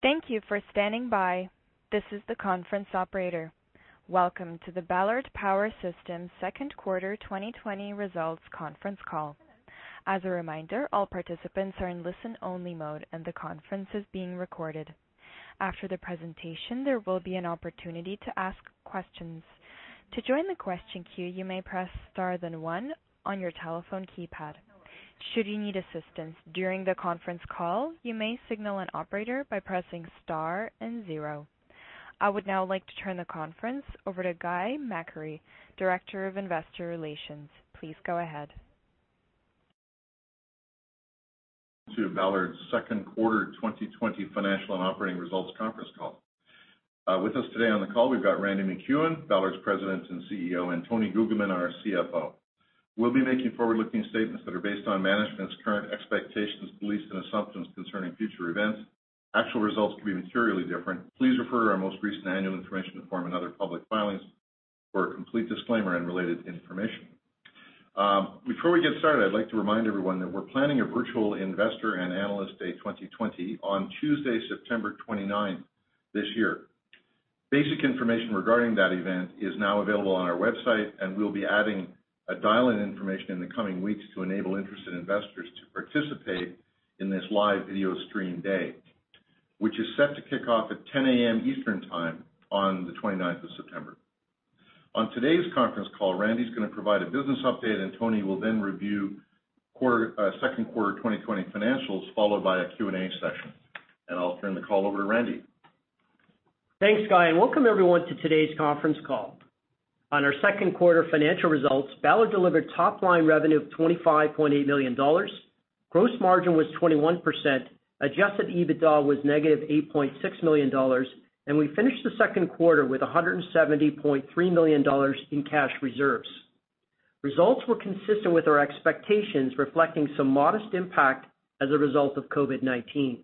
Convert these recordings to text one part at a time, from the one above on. Thank you for standing by. This is the conference operator. Welcome to the Ballard Power Systems Second Quarter 2020 Results Conference Call. As a reminder, all participants are in listen-only mode, and the conference is being recorded. After the presentation, there will be an opportunity to ask questions. To join the question queue, you may press Star then one on your telephone keypad. Should you need assistance during the conference call, you may signal an operator by pressing Star and zero. I would now like to turn the conference over to Guy McAree, Director of Investor Relations. Please go ahead. to Ballard's second quarter 2020 financial and operating results conference call. With us today on the call, we've got Randy MacEwen, Ballard's President and CEO, and Tony Guglielmin, our CFO. We'll be making forward-looking statements that are based on management's current expectations, beliefs, and assumptions concerning future events. Actual results could be materially different. Please refer to our most recent annual information form and other public filings for a complete disclaimer and related information. Before we get started, I'd like to remind everyone that we're planning a virtual Investor and Analyst Day 2020 on Tuesday, September 29 this year. Basic information regarding that event is now available on our website, and we'll be adding a dial-in information in the coming weeks to enable interested investors to participate in this live video stream day, which is set to kick off at 10:00 A.M. Eastern Time on September 29. On today's conference call, Randy's gonna provide a business update, and Tony will then review second quarter 2020 financials, followed by a Q&A session. I'll turn the call over to Randy. Thanks, Guy, and welcome everyone to today's conference call. On our second quarter financial results, Ballard delivered top-line revenue of $25.8 million. Gross margin was 21%, adjusted EBITDA was negative $8.6 million, and we finished the second quarter with $170.3 million in cash reserves. Results were consistent with our expectations, reflecting some modest impact as a result of COVID-19.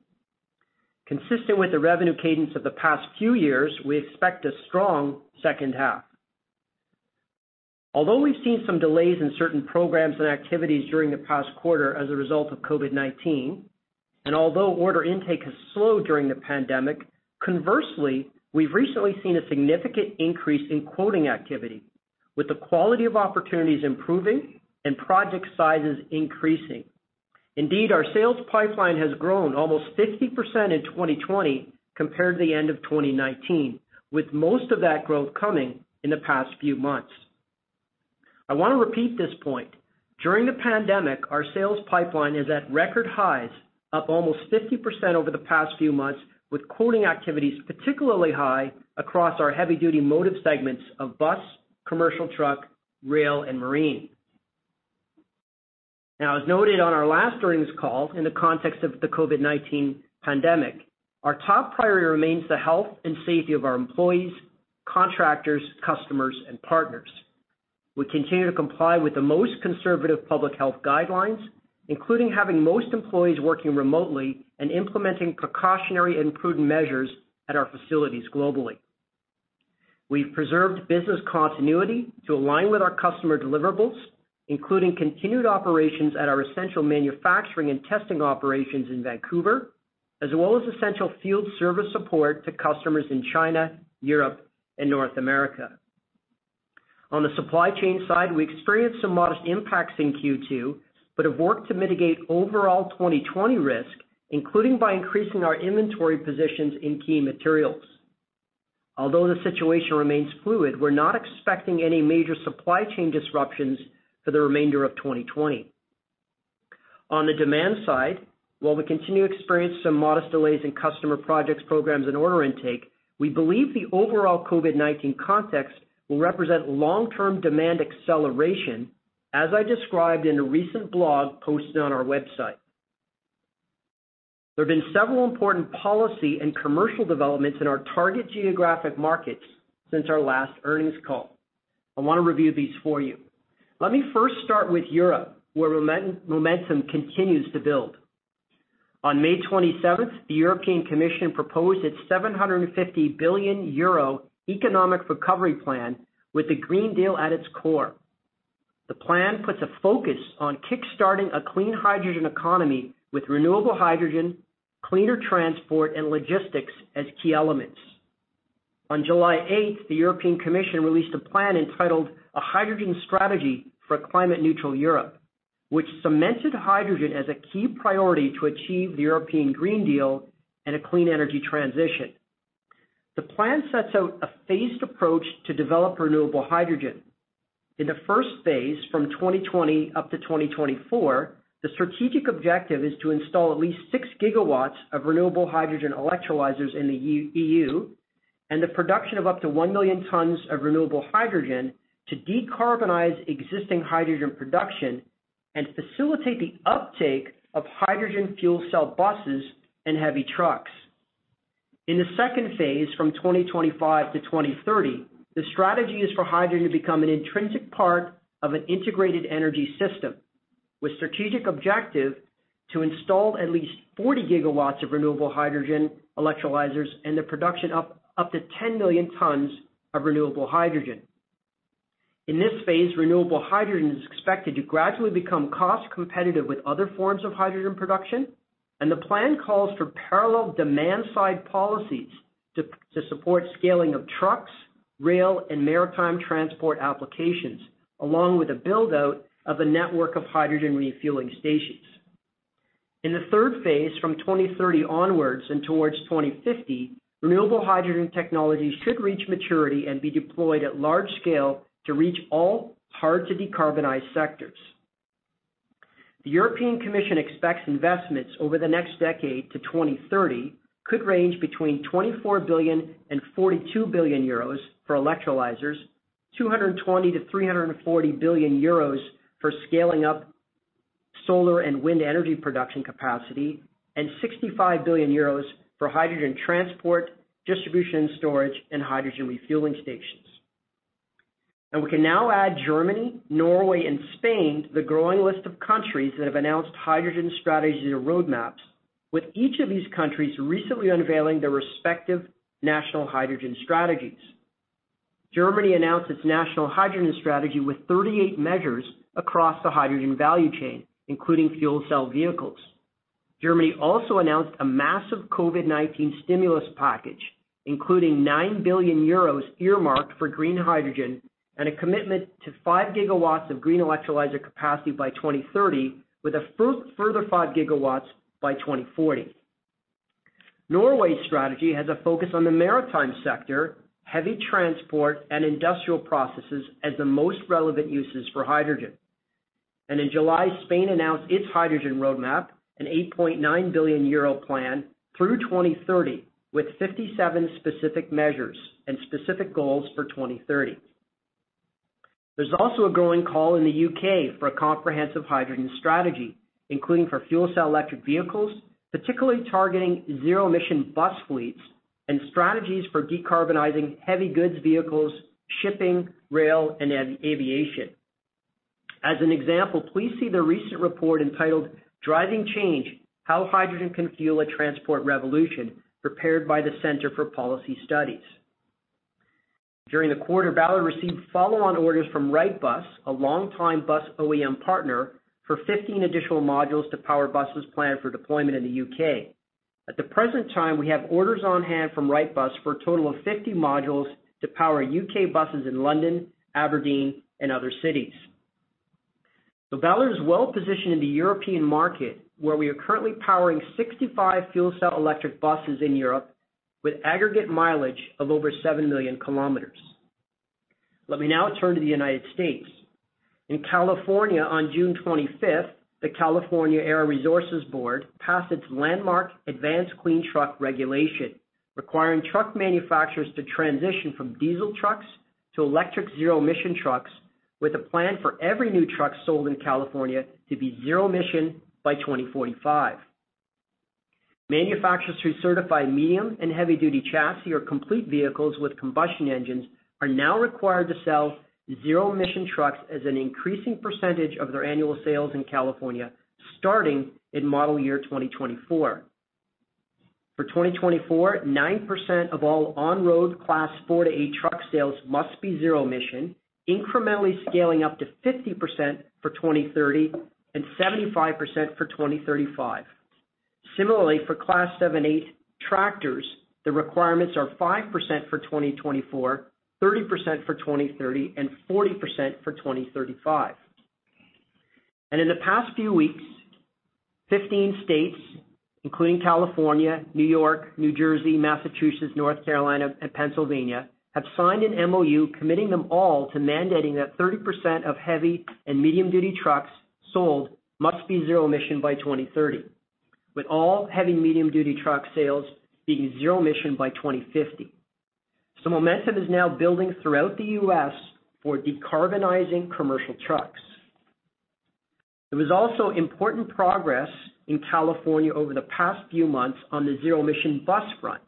Consistent with the revenue cadence of the past few years, we expect a strong second half. Although we've seen some delays in certain programs and activities during the past quarter as a result of COVID-19, and although order intake has slowed during the pandemic, conversely, we've recently seen a significant increase in quoting activity, with the quality of opportunities improving and project sizes increasing. Indeed, our sales pipeline has grown almost 50% in 2020 compared to the end of 2019, with most of that growth coming in the past few months. I want to repeat this point. During the pandemic, our sales pipeline is at record highs, up almost 50% over the past few months, with quoting activities particularly high across our heavy-duty motive segments of bus, commercial truck, rail, and marine. As noted on our last earnings call, in the context of the COVID-19 pandemic, our top priority remains the health and safety of our employees, contractors, customers, and partners. We continue to comply with the most conservative public health guidelines, including having most employees working remotely and implementing precautionary and prudent measures at our facilities globally. We've preserved business continuity to align with our customer deliverables, including continued operations at our essential manufacturing and testing operations in Vancouver, as well as essential field service support to customers in China, Europe, and North America. On the supply chain side, we experienced some modest impacts in Q2, but have worked to mitigate overall 2020 risk, including by increasing our inventory positions in key materials. Although the situation remains fluid, we're not expecting any major supply chain disruptions for the remainder of 2020. On the demand side, while we continue to experience some modest delays in customer projects, programs, and order intake, we believe the overall COVID-19 context will represent long-term demand acceleration, as I described in a recent blog posted on our website. There have been several important policy and commercial developments in our target geographic markets since our last earnings call. I want to review these for you. Let me first start with Europe, where momentum continues to build. On May 27, the European Commission proposed its 750 billion euro economic recovery plan with the European Green Deal at its core. The plan puts a focus on kickstarting a clean hydrogen economy with renewable hydrogen, cleaner transport, and logistics as key elements. On July 8, the European Commission released a plan entitled A Hydrogen Strategy for a Climate-Neutral Europe, which cemented hydrogen as a key priority to achieve the European Green Deal and a clean energy transition. The plan sets out a phased approach to develop renewable hydrogen. In the first phase, from 2020 up to 2024, the strategic objective is to install at least 6 gigawatts of renewable hydrogen electrolyzers in the EU, and the production of up to 1 million tons of renewable hydrogen to decarbonize existing hydrogen production and facilitate the uptake of hydrogen fuel cell buses and heavy trucks. In the second phase, from 2025 to 2030, the strategy is for hydrogen to become an intrinsic part of an integrated energy system, with strategic objective to install at least 40 gigawatts of renewable hydrogen electrolyzers and the production up to 10 million tons of renewable hydrogen. In this phase, renewable hydrogen is expected to gradually become cost competitive with other forms of hydrogen production, and the plan calls for parallel demand-side policies to support scaling of trucks, rail, and maritime transport applications, along with a build-out of a network of hydrogen refueling stations. In the third phase, from 2030 onwards and towards 2050, renewable hydrogen technology should reach maturity and be deployed at large scale to reach all hard-to-decarbonize sectors. The European Commission expects investments over the next decade to 2030, could range between 24 billion and 42 billion euros for electrolyzers, 220 billion to 340 billion euros for scaling up solar and wind energy production capacity, and 65 billion euros for hydrogen transport, distribution and storage, and hydrogen refueling stations. We can now add Germany, Norway, and Spain to the growing list of countries that have announced hydrogen strategies or roadmaps, with each of these countries recently unveiling their respective national hydrogen strategies. Germany announced its national hydrogen strategy with 38 measures across the hydrogen value chain, including fuel cell vehicles. Germany also announced a massive COVID-19 stimulus package, including 9 billion euros earmarked for green hydrogen and a commitment to 5 gigawatts of green electrolyzer capacity by 2030, with a further 5 gigawatts by 2040. Norway's strategy has a focus on the maritime sector, heavy transport, and industrial processes as the most relevant uses for hydrogen. In July, Spain announced its hydrogen roadmap, an 8.9 billion euro plan through 2030, with 57 specific measures and specific goals for 2030. There's also a growing call in the U.K. for a comprehensive hydrogen strategy, including for fuel cell electric vehicles, particularly targeting zero-emission bus fleets and strategies for decarbonizing heavy goods, vehicles, shipping, rail, and aviation. As an example, please see the recent report entitled, Driving Change: How Hydrogen Can Fuel a Transport Revolution, prepared by the Centre for Policy Studies. During the quarter, Ballard received follow-on orders from Wrightbus, a long-time bus OEM partner, for 15 additional modules to power buses planned for deployment in the U.K. At the present time, we have orders on hand from Wrightbus for a total of 50 modules to power U.K. buses in London, Aberdeen, and other cities. Ballard is well positioned in the European market, where we are currently powering 65 fuel cell electric buses in Europe, with aggregate mileage of over 7 million kilometers. Let me now turn to the United States. In California, on June 25, the California Air Resources Board passed its landmark Advanced Clean Truck regulation, requiring truck manufacturers to transition from diesel trucks to electric zero-emission trucks, with a plan for every new truck sold in California to be zero emission by 2045. Manufacturers who certify medium and heavy-duty chassis or complete vehicles with combustion engines are now required to sell zero-emission trucks as an increasing percentage of their annual sales in California, starting in model year 2024. For 2024, 9% of all on-road Class 4-8 truck sales must be zero emission, incrementally scaling up to 50% for 2030 and 75% for 2035. Similarly, for Class 7/8 tractors, the requirements are 5% for 2024, 30% for 2030, and 40% for 2035. In the past few weeks, 15 states, including California, New York, New Jersey, Massachusetts, North Carolina, and Pennsylvania, have signed an MOU committing them all to mandating that 30% of heavy- and medium-duty trucks sold must be zero emission by 2030, with all heavy and medium-duty truck sales being zero emission by 2050. Momentum is now building throughout the U.S. for decarbonizing commercial trucks. There was also important progress in California over the past few months on the zero-emission bus front.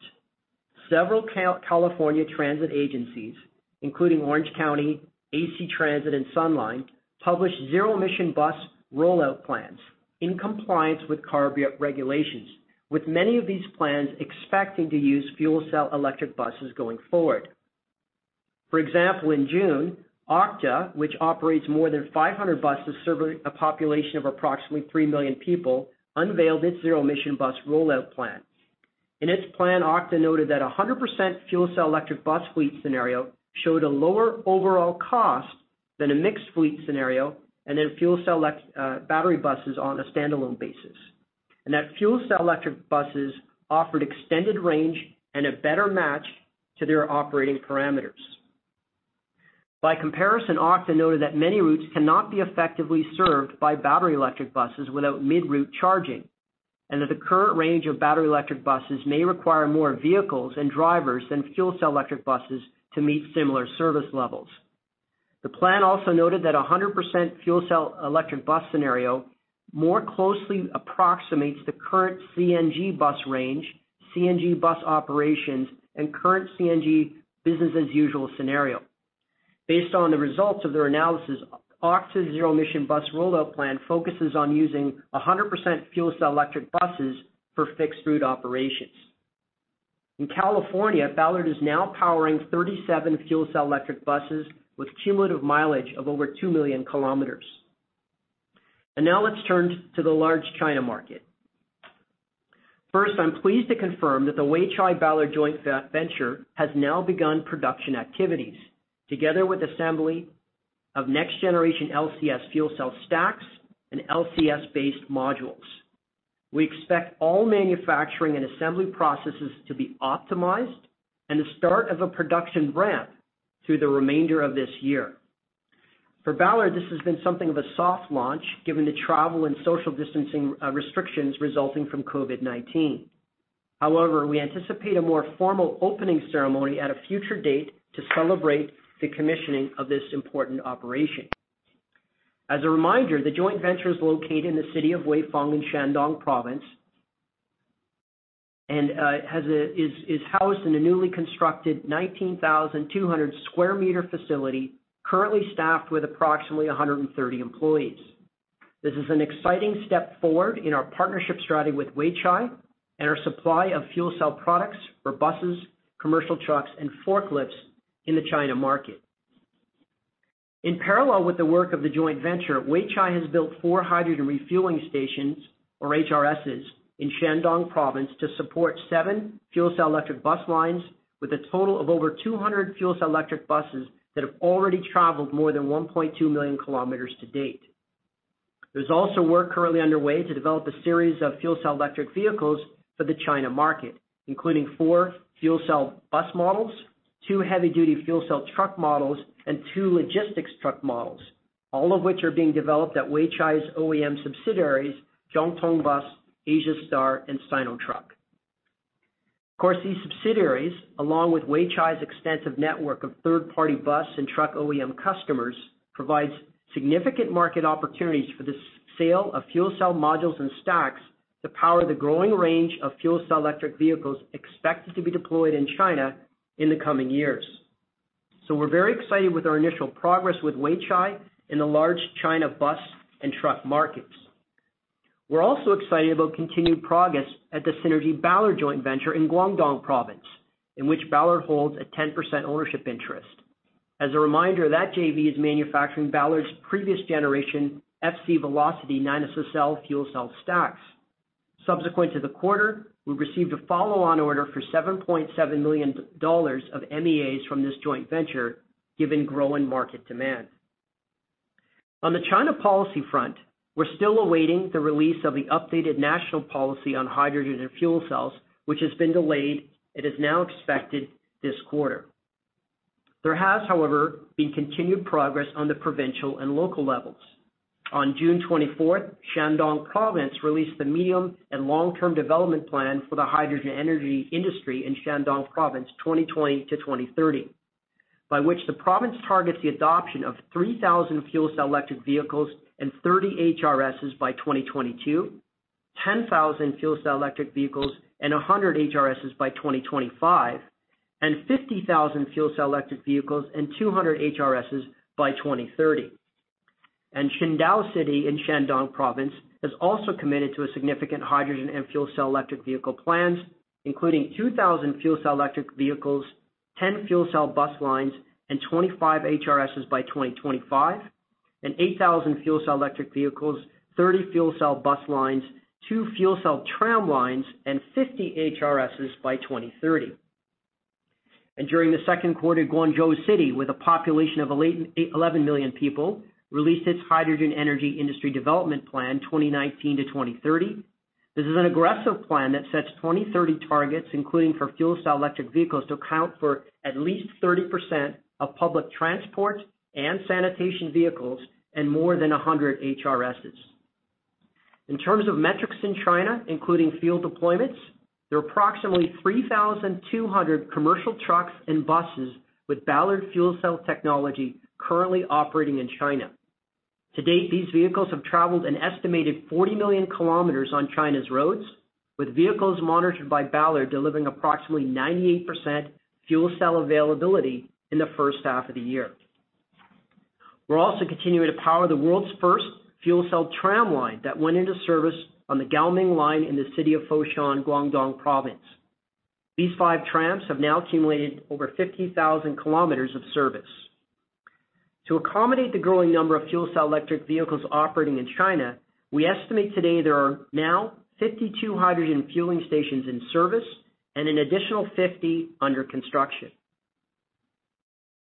Several California transit agencies, including Orange County, AC Transit, and SunLine, published zero-emission bus rollout plans in compliance with CARB regulations, with many of these plans expecting to use fuel cell electric buses going forward. For example, in June, OCTA, which operates more than 500 buses serving a population of approximately 3 million people, unveiled its zero-emission bus rollout plan. In its plan, OCTA noted that a 100% fuel cell electric bus fleet scenario showed a lower overall cost than a mixed fleet scenario and than fuel cell battery buses on a standalone basis, and that fuel cell electric buses offered extended range and a better match to their operating parameters. By comparison, OCTA noted that many routes cannot be effectively served by battery electric buses without mid-route charging, and that the current range of battery electric buses may require more vehicles and drivers than fuel cell electric buses to meet similar service levels. The plan also noted that a 100% fuel cell electric bus scenario more closely approximates the current CNG bus range, CNG bus operations, and current CNG business-as-usual scenario. Based on the results of their analysis, OCTA's zero-emission bus rollout plan focuses on using 100% fuel cell electric buses for fixed route operations. In California, Ballard is now powering 37 fuel cell electric buses with cumulative mileage of over 2 million kilometers. Now let's turn to the large China market. First, I'm pleased to confirm that the Weichai Ballard joint venture has now begun production activities, together with assembly of next generation LCS fuel cell stacks and LCS-based modules. We expect all manufacturing and assembly processes to be optimized, and the start of a production ramp through the remainder of this year. For Ballard, this has been something of a soft launch, given the travel and social distancing restrictions resulting from COVID-19. However, we anticipate a more formal opening ceremony at a future date to celebrate the commissioning of this important operation. As a reminder, the joint venture is located in the city of Weifang in Shandong Province, and is housed in a newly constructed 19,200 square meter facility, currently staffed with approximately 130 employees. This is an exciting step forward in our partnership strategy with Weichai, and our supply of fuel cell products for buses, commercial trucks, and forklifts in the China market. In parallel with the work of the joint venture, Weichai has built 4 hydrogen refueling stations, or HRSs, in Shandong Province to support 7 fuel cell electric bus lines, with a total of over 200 fuel cell electric buses that have already traveled more than 1.2 million kilometers to date. There's also work currently underway to develop a series of fuel cell electric vehicles for the China market, including 4 fuel cell bus models, 2 heavy duty fuel cell truck models, and 2 logistics truck models, all of which are being developed at Weichai's OEM subsidiaries, Zhongtong Bus, Asiastar, and Sinotruk. These subsidiaries, along with Weichai's extensive network of third-party bus and truck OEM customers, provides significant market opportunities for the sale of fuel cell modules and stacks to power the growing range of fuel cell electric vehicles expected to be deployed in China in the coming years. We're very excited with our initial progress with Weichai in the large China bus and truck markets. We're also excited about continued progress at the Synergy-Ballard joint venture in Guangdong Province, in which Ballard holds a 10% ownership interest. As a reminder, that JV is manufacturing Ballard's previous generation FCvelocity-9SSL fuel cell stacks. Subsequent to the quarter, we received a follow-on order for $7.7 million of MEAs from this joint venture, given growing market demand. On the China policy front, we're still awaiting the release of the updated national policy on hydrogen and fuel cells, which has been delayed. It is now expected this quarter. There has, however, been continued progress on the provincial and local levels. On June 24, Shandong Province released the medium and long-term development plan for the hydrogen energy industry in Shandong Province, 2020-2030, by which the province targets the adoption of 3,000 fuel cell electric vehicles and 30 HRSs by 2022, 10,000 fuel cell electric vehicles and 100 HRSs by 2025, and 50,000 fuel cell electric vehicles and 200 HRSs by 2030. Qingdao City in Shandong Province has also committed to a significant hydrogen and fuel cell electric vehicle plans, including 2,000 fuel cell electric vehicles, 10 fuel cell bus lines, and 25 HRSs by 2025, and 8,000 fuel cell electric vehicles, 30 fuel cell bus lines, two fuel cell tram lines, and 50 HRSs by 2030. During the second quarter, Guangzhou City, with a population of 11 million people, released its hydrogen energy industry development plan, 2019 to 2030. This is an aggressive plan that sets 2030 targets, including for fuel cell electric vehicles, to account for at least 30% of public transport and sanitation vehicles and more than 100 HRSs. In terms of metrics in China, including field deployments, there are approximately 3,200 commercial trucks and buses with Ballard fuel cell technology currently operating in China. To date, these vehicles have traveled an estimated 40 million kilometers on China's roads, with vehicles monitored by Ballard, delivering approximately 98% fuel cell availability in the first half of the year. We're also continuing to power the world's first fuel cell tram line that went into service on the Gaoming line in the city of Foshan, Guangdong Province. These 5 trams have now accumulated over 50,000 kilometers of service. To accommodate the growing number of fuel cell electric vehicles operating in China, we estimate today there are now 52 hydrogen fueling stations in service and an additional 50 under construction.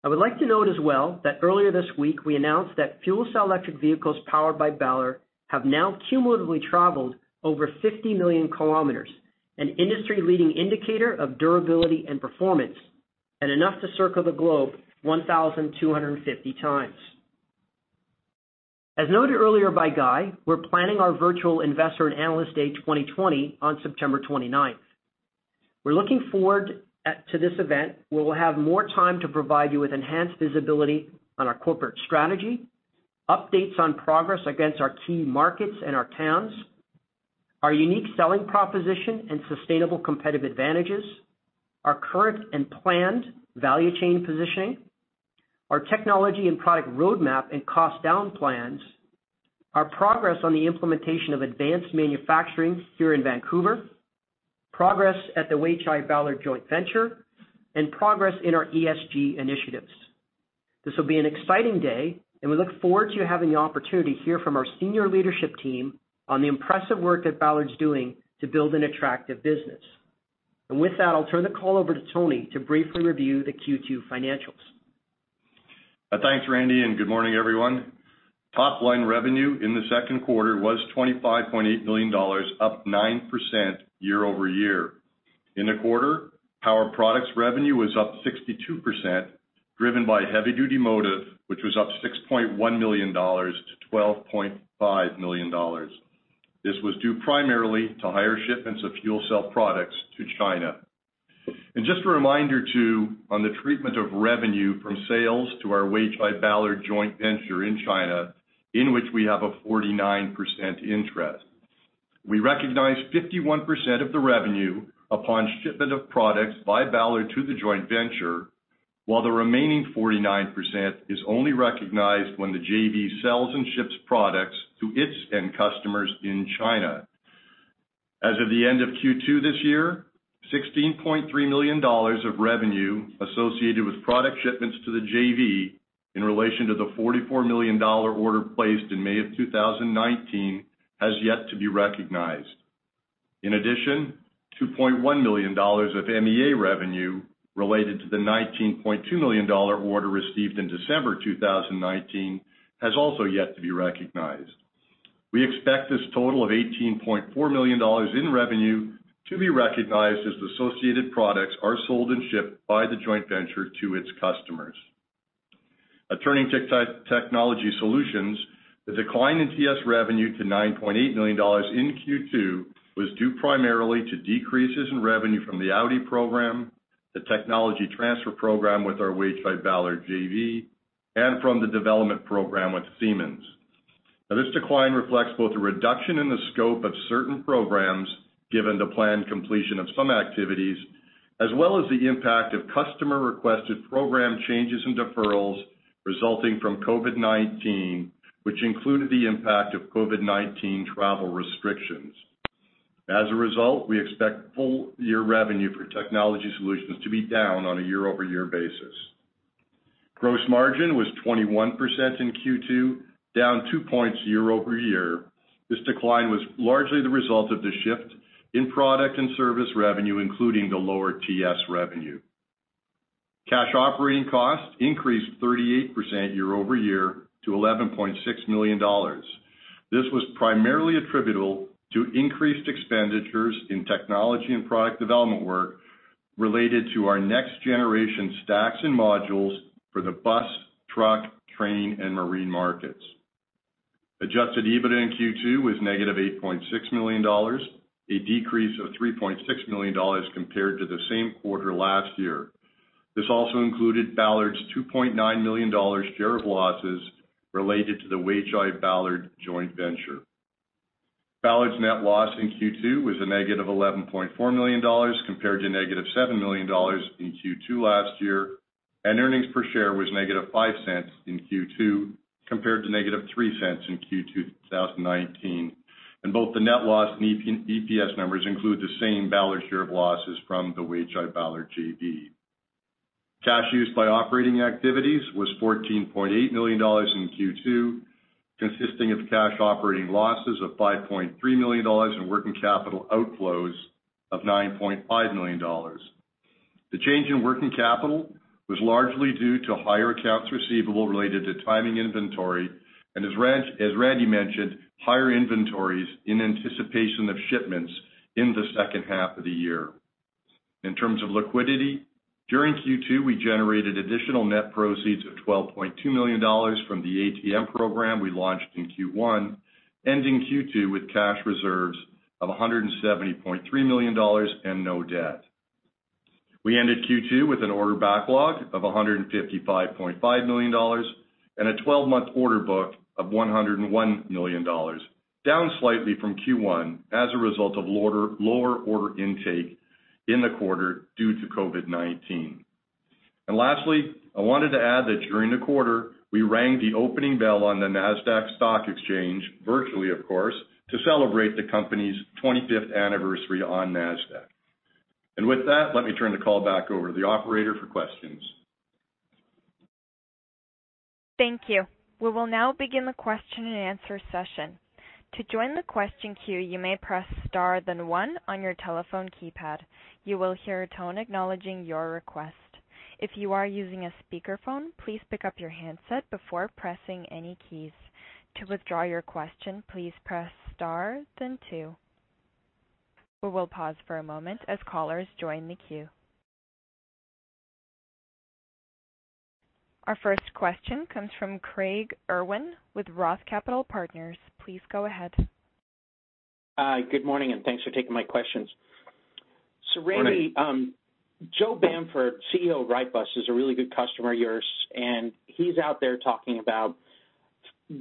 I would like to note as well, that earlier this week, we announced that fuel cell electric vehicles powered by Ballard have now cumulatively traveled over 50 million kilometers, an industry-leading indicator of durability and performance, and enough to circle the globe 1,250 times. As noted earlier by Guy, we're planning our virtual Investor and Analyst Date 2020 on September 29. We're looking forward to this event, where we'll have more time to provide you with enhanced visibility on our corporate strategy, updates on progress against our key markets and our towns, our unique selling proposition and sustainable competitive advantages, our current and planned value chain positioning, our technology and product roadmap and cost down plans, our progress on the implementation of advanced manufacturing here in Vancouver, progress at the Weichai Ballard joint venture, and progress in our ESG initiatives. This will be an exciting day, and we look forward to having the opportunity to hear from our senior leadership team on the impressive work that Ballard is doing to build an attractive business. With that, I'll turn the call over to Tony to briefly review the Q2 financials. Thanks, Randy, and good morning, everyone. Top line revenue in the second quarter was $25.8 million, up 9% year-over-year. In the quarter, power products revenue was up 62%, driven by heavy-duty motive, which was up $6.1 million to $12.5 million. This was due primarily to higher shipments of fuel cell products to China. Just a reminder, too, on the treatment of revenue from sales to our Weichai Ballard joint venture in China, in which we have a 49% interest. We recognize 51% of the revenue upon shipment of products by Ballard to the joint venture, while the remaining 49% is only recognized when the JV sells and ships products to its end customers in China. As of the end of Q2 this year, $16.3 million of revenue associated with product shipments to the JV in relation to the $44 million order placed in May 2019, has yet to be recognized. In addition, $2.1 million of MEA revenue related to the $19.2 million order received in December 2019, has also yet to be recognized. We expect this total of $18.4 million in revenue to be recognized as the associated products are sold and shipped by the joint venture to its customers. Turning to Tech, Technology Solutions, the decline in TS revenue to $9.8 million in Q2 was due primarily to decreases in revenue from the Audi program, the technology transfer program with our Weichai Ballard JV, and from the development program with Siemens. This decline reflects both a reduction in the scope of certain programs, given the planned completion of some activities, as well as the impact of customer-requested program changes and deferrals resulting from COVID-19, which included the impact of COVID-19 travel restrictions. As a result, we expect full-year revenue for Technology Solutions to be down on a year-over-year basis. Gross margin was 21% in Q2, down 2 points year over year. This decline was largely the result of the shift in product and service revenue, including the lower TS revenue. Cash operating costs increased 38% year over year to $11.6 million. This was primarily attributable to increased expenditures in technology and product development work related to our next generation stacks and modules for the bus, truck, train, and marine markets. Adjusted EBITDA in Q2 was -$8.6 million, a decrease of $3.6 million compared to the same quarter last year. This also included Ballard's $2.9 million share of losses related to the Weichai Ballard joint venture. Ballard's net loss in Q2 was -$11.4 million, compared to -$7 million in Q2 last year. Earnings per share was -$0.05 in Q2, compared to -$0.03 in Q2 2019. Both the net loss and EPS numbers include the same Ballard share of losses from the Weichai Ballard JV. Cash used by operating activities was $14.8 million in Q2, consisting of cash operating losses of $5.3 million and working capital outflows of $9.5 million. The change in working capital was largely due to higher accounts receivable related to timing inventory, as Randy mentioned, higher inventories in anticipation of shipments in the second half of the year. In terms of liquidity, during Q2, we generated additional net proceeds of $12.2 million from the ATM program we launched in Q1, ending Q2 with cash reserves of $170.3 million and no debt. We ended Q2 with an order backlog of $155.5 million and a twelve-month order book of $101 million, down slightly from Q1 as a result of lower order intake in the quarter due to COVID-19. Lastly, I wanted to add that during the quarter, we rang the opening bell on the Nasdaq Stock Exchange, virtually, of course, to celebrate the company's 25th anniversary on Nasdaq. With that, let me turn the call back over to the operator for questions. Thank you. We will now begin the question and answer session. To join the question queue, you may press star, then one on your telephone keypad. You will hear a tone acknowledging your request. If you are using a speakerphone, please pick up your handset before pressing any keys. To withdraw your question, please press star then two. We will pause for a moment as callers join the queue. Our first question comes from Craig Irwin with Roth Capital Partners. Please go ahead. Good morning, and thanks for taking my questions. Good morning. Randy MacEwen, Jo Bamford, CEO of Ryze Hydrogen is a really good customer of yours, and he's out there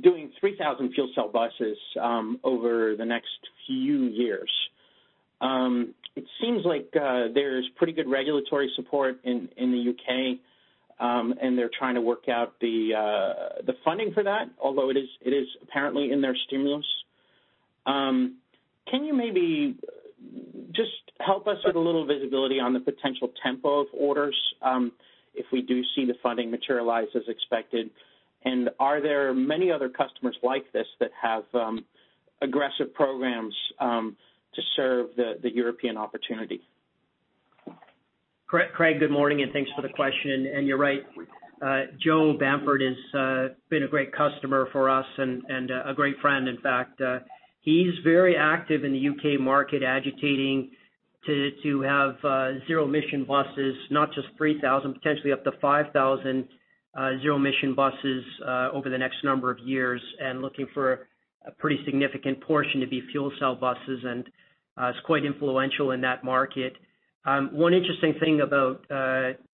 doing 3,000 fuel cell buses, over the next few years. It seems like there's pretty good regulatory support in the UK, and they're trying to work out the funding for that, although it is, it is apparently in their stimulus. Can you maybe just help us with a little visibility on the potential tempo of orders, if we do see the funding materialize as expected? Are there many other customers like this that have aggressive programs, to serve the European opportunity? Craig, good morning, and thanks for the question. You're right, Jo Bamford has been a great customer for us and a great friend, in fact. He's very active in the U.K. market, agitating to have zero-emission buses, not just 3,000, potentially up to 5,000 zero-emission buses, over the next number of years, looking for a pretty significant portion to be fuel cell buses, and is quite influential in that market. One interesting thing about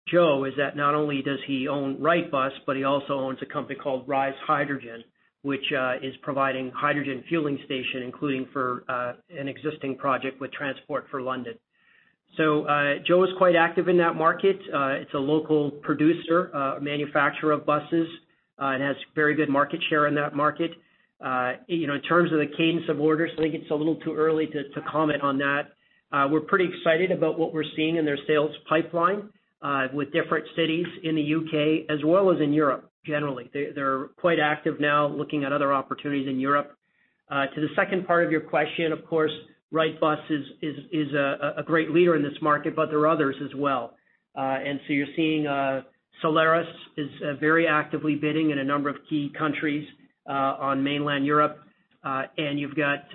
Jo is that not only does he own Wrightbus, but he also owns a company called Ryze Hydrogen, which is providing hydrogen fueling station, including for an existing project with Transport for London. Jo is quite active in that market. It's a local producer, manufacturer of buses, and has very good market share in that market. You know, in terms of the cadence of orders, I think it's a little too early to comment on that. We're pretty excited about what we're seeing in their sales pipeline, with different cities in the UK as well as in Europe, generally. They're quite active now, looking at other opportunities in Europe. To the second part of your question, of course, Wrightbus is a great leader in this market, but there are others as well. So you're seeing Solaris is very actively bidding in a number of key countries on mainland Europe, and you've got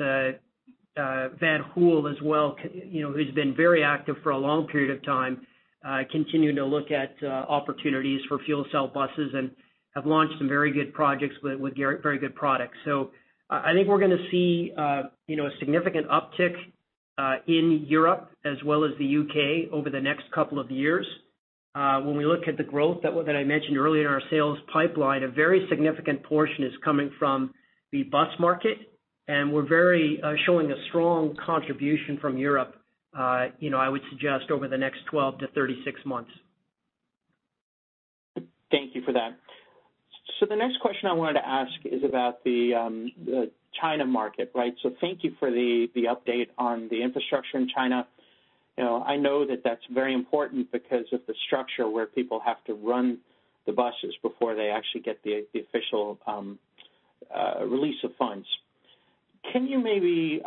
Van Hool as well, who's been very active for a long period of time, continuing to look at opportunities for fuel cell buses and have launched some very good projects with very good products. So I think we're going to see a significant uptick in Europe as well as the U.K. over the next couple of years. When we look at the growth that I mentioned earlier in our sales pipeline, a very significant portion is coming from the bus market, and we're showing a strong contribution from Europe, I would suggest over the next 12-36 months. Thank you for that. The next question I wanted to ask is about the China market, right? Thank you for the update on the infrastructure in China. You know, I know that that's very important because of the structure where people have to run the buses before they actually get the official release of funds. Can you maybe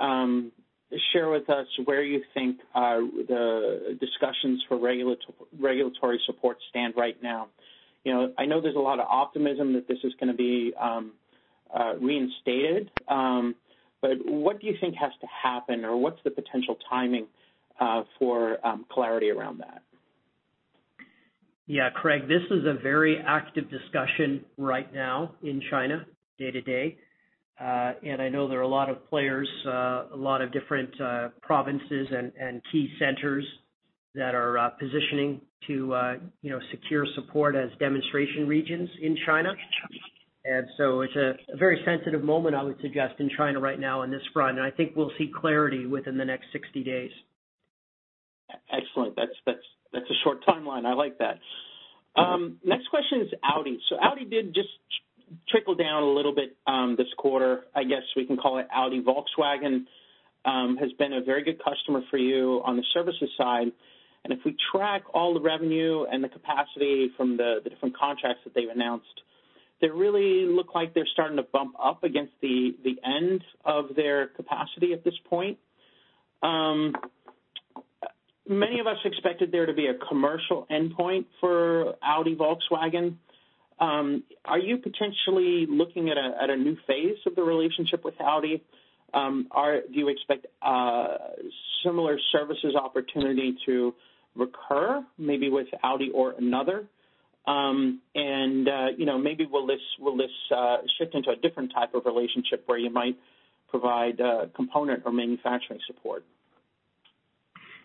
share with us where you think the discussions for regulatory support stand right now? You know, I know there's a lot of optimism that this is gonna be reinstated, what do you think has to happen, or what's the potential timing for clarity around that? Yeah, Craig, this is a very active discussion right now in China, day-to-day. I know there are a lot of players, a lot of different provinces and key centers that are positioning to, you know, secure support as demonstration regions in China. It's a very sensitive moment, I would suggest, in China right now on this front, and I think we'll see clarity within the next 60 days. Excellent. That's a short timeline. I like that. Next question is Audi. Audi did just trickle down a little bit this quarter. I guess we can call it Audi Volkswagen has been a very good customer for you on the services side, and if we track all the revenue and the capacity from the different contracts that they've announced, they really look like they're starting to bump up against the end of their capacity at this point. Many of us expected there to be a commercial endpoint for Audi Volkswagen. Do you expect similar services opportunity to recur, maybe with Audi or another? you know, maybe will this shift into a different type of relationship where you might provide component or manufacturing support?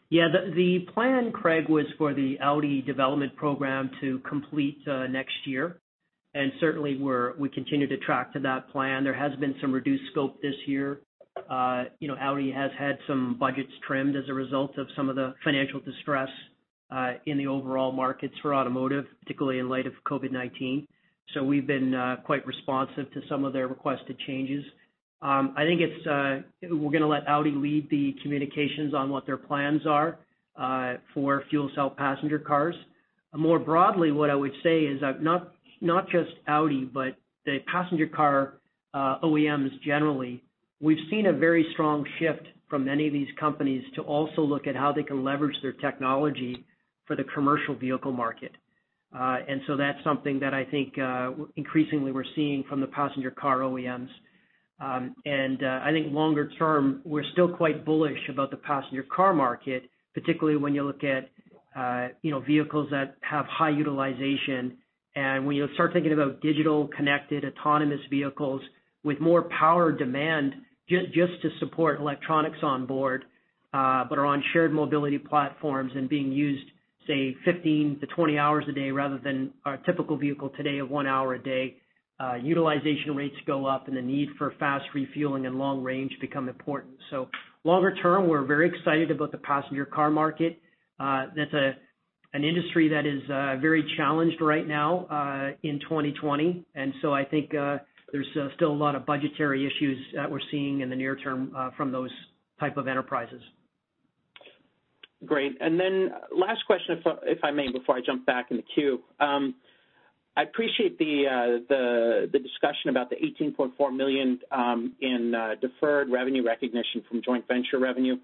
Yeah, the plan, Craig, was for the Audi development program to complete next year, and certainly we continue to track to that plan. There has been some reduced scope this year. You know, Audi has had some budgets trimmed as a result of some of the financial distress in the overall markets for automotive, particularly in light of COVID-19. We've been quite responsive to some of their requested changes. I think it's we're gonna let Audi lead the communications on what their plans are for fuel cell passenger cars. More broadly, what I would say is that not just Audi, but the passenger car OEMs generally, we've seen a very strong shift from many of these companies to also look at how they can leverage their technology for the commercial vehicle market. That's something that I think increasingly we're seeing from the passenger car OEMs. I think longer term, we're still quite bullish about the passenger car market, particularly when you look at, you know, vehicles that have high utilization. When you start thinking about digital, connected, autonomous vehicles with more power demand, just to support electronics on board, but are on shared mobility platforms and being used, say, 15 to 20 hours a day, rather than our typical vehicle today of 1 hour a day, utilization rates go up, and the need for fast refueling and long range become important. Longer term, we're very excited about the passenger car market. That's an industry that is very challenged right now in 2020. I think there's still a lot of budgetary issues we're seeing in the near term from those type of enterprises. Great. And then last question, if I may, before I jump back in the queue. I appreciate the discussion about the $18.4 million in deferred revenue recognition from joint venture revenue.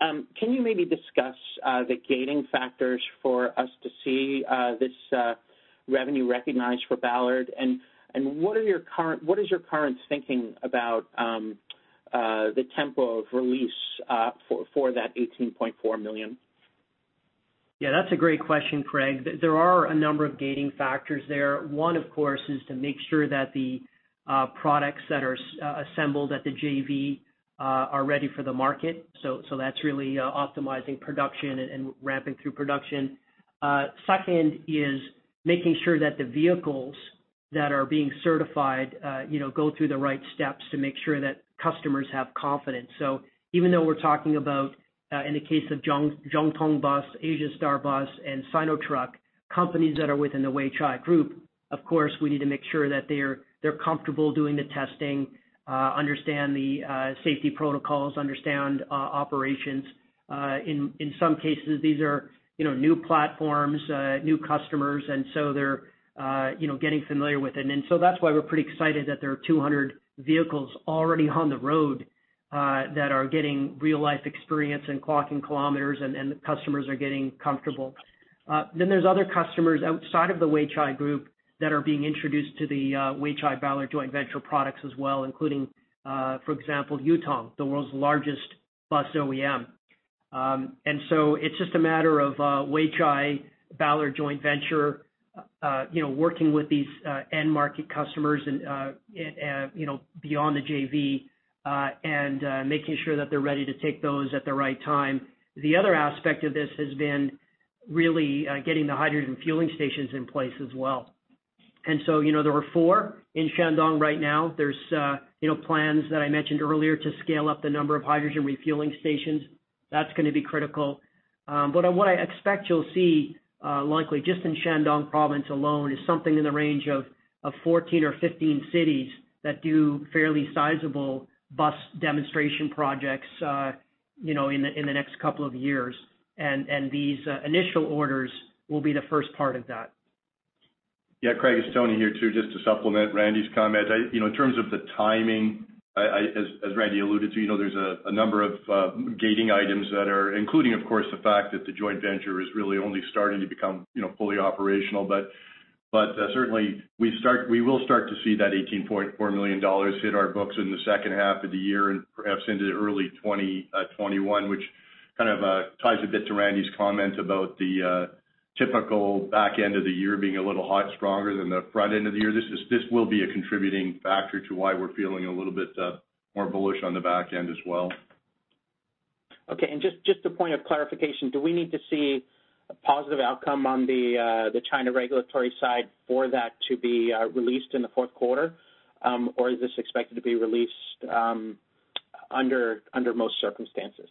Can you maybe discuss the gating factors for us to see this revenue recognized for Ballard? And what is your current thinking about the tempo of release for that $18.4 million? Yeah, that's a great question, Craig. There are a number of gating factors there. One, of course, is to make sure that the products that are assembled at the JV are ready for the market. That's really optimizing production and ramping through production. Second is making sure that the vehicles that are being certified, you know, go through the right steps to make sure that customers have confidence. Even though we're talking about in the case of Zhongtong Bus, Asiastar Bus, and Sinotruk, companies that are within the Weichai Group, of course, we need to make sure that they're comfortable doing the testing, understand the safety protocols, understand operations. In some cases, these are, you know, new platforms, new customers, and so they're, you know, getting familiar with it. That's why we're pretty excited that there are 200 vehicles already on the road, that are getting real-life experience and clocking kilometers, and the customers are getting comfortable. Then there's other customers outside of the Weichai Group that are being introduced to the Weichai-Ballard joint venture products as well, including, for example, Yutong, the world's largest bus OEM. It's just a matter of Weichai-Ballard joint venture, you know, working with these end market customers and it, you know, beyond the JV, and making sure that they're ready to take those at the right time. The other aspect of this has been really getting the hydrogen fueling stations in place as well. You know, there were 4 in Shandong right now. There's, you know, plans that I mentioned earlier to scale up the number of hydrogen refueling stations. That's gonna be critical. What I expect you'll see likely just in Shandong province alone, is something in the range of 14 or 15 cities that do fairly sizable bus demonstration projects, you know, in the next couple of years, these initial orders will be the first part of that. Yeah, Craig, it's Tony here, too, just to supplement Randy's comment. You know, in terms of the timing, I, as Randy alluded to, you know, there's a number of gating items that are, including, of course, the fact that the joint venture is really only starting to become, you know, fully operational. But certainly we will start to see that $18.4 million hit our books in the second half of the year and perhaps into the early 2021, which kind of ties a bit to Randy's comment about the typical back end of the year being a little hot stronger than the front end of the year. This will be a contributing factor to why we're feeling a little bit more bullish on the back end as well. Okay. Just a point of clarification, do we need to see a positive outcome on the China regulatory side for that to be released in the fourth quarter? Or is this expected to be released under most circumstances?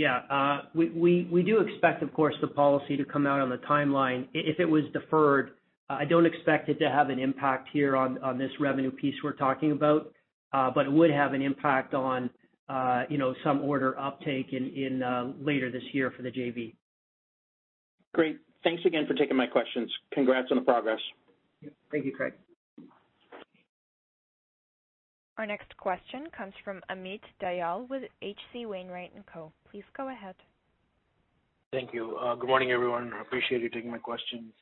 Yeah, we do expect, of course, the policy to come out on the timeline. If it was deferred, I don't expect it to have an impact here on this revenue piece we're talking about, but it would have an impact on, you know, some order uptake in later this year for the JV. Great. Thanks again for taking my questions. Congrats on the progress. Thank you, Craig. Our next question comes from Amit Dayal with H.C. Wainwright & Co. Please go ahead. Thank you. Good morning, everyone. I appreciate you taking my questions.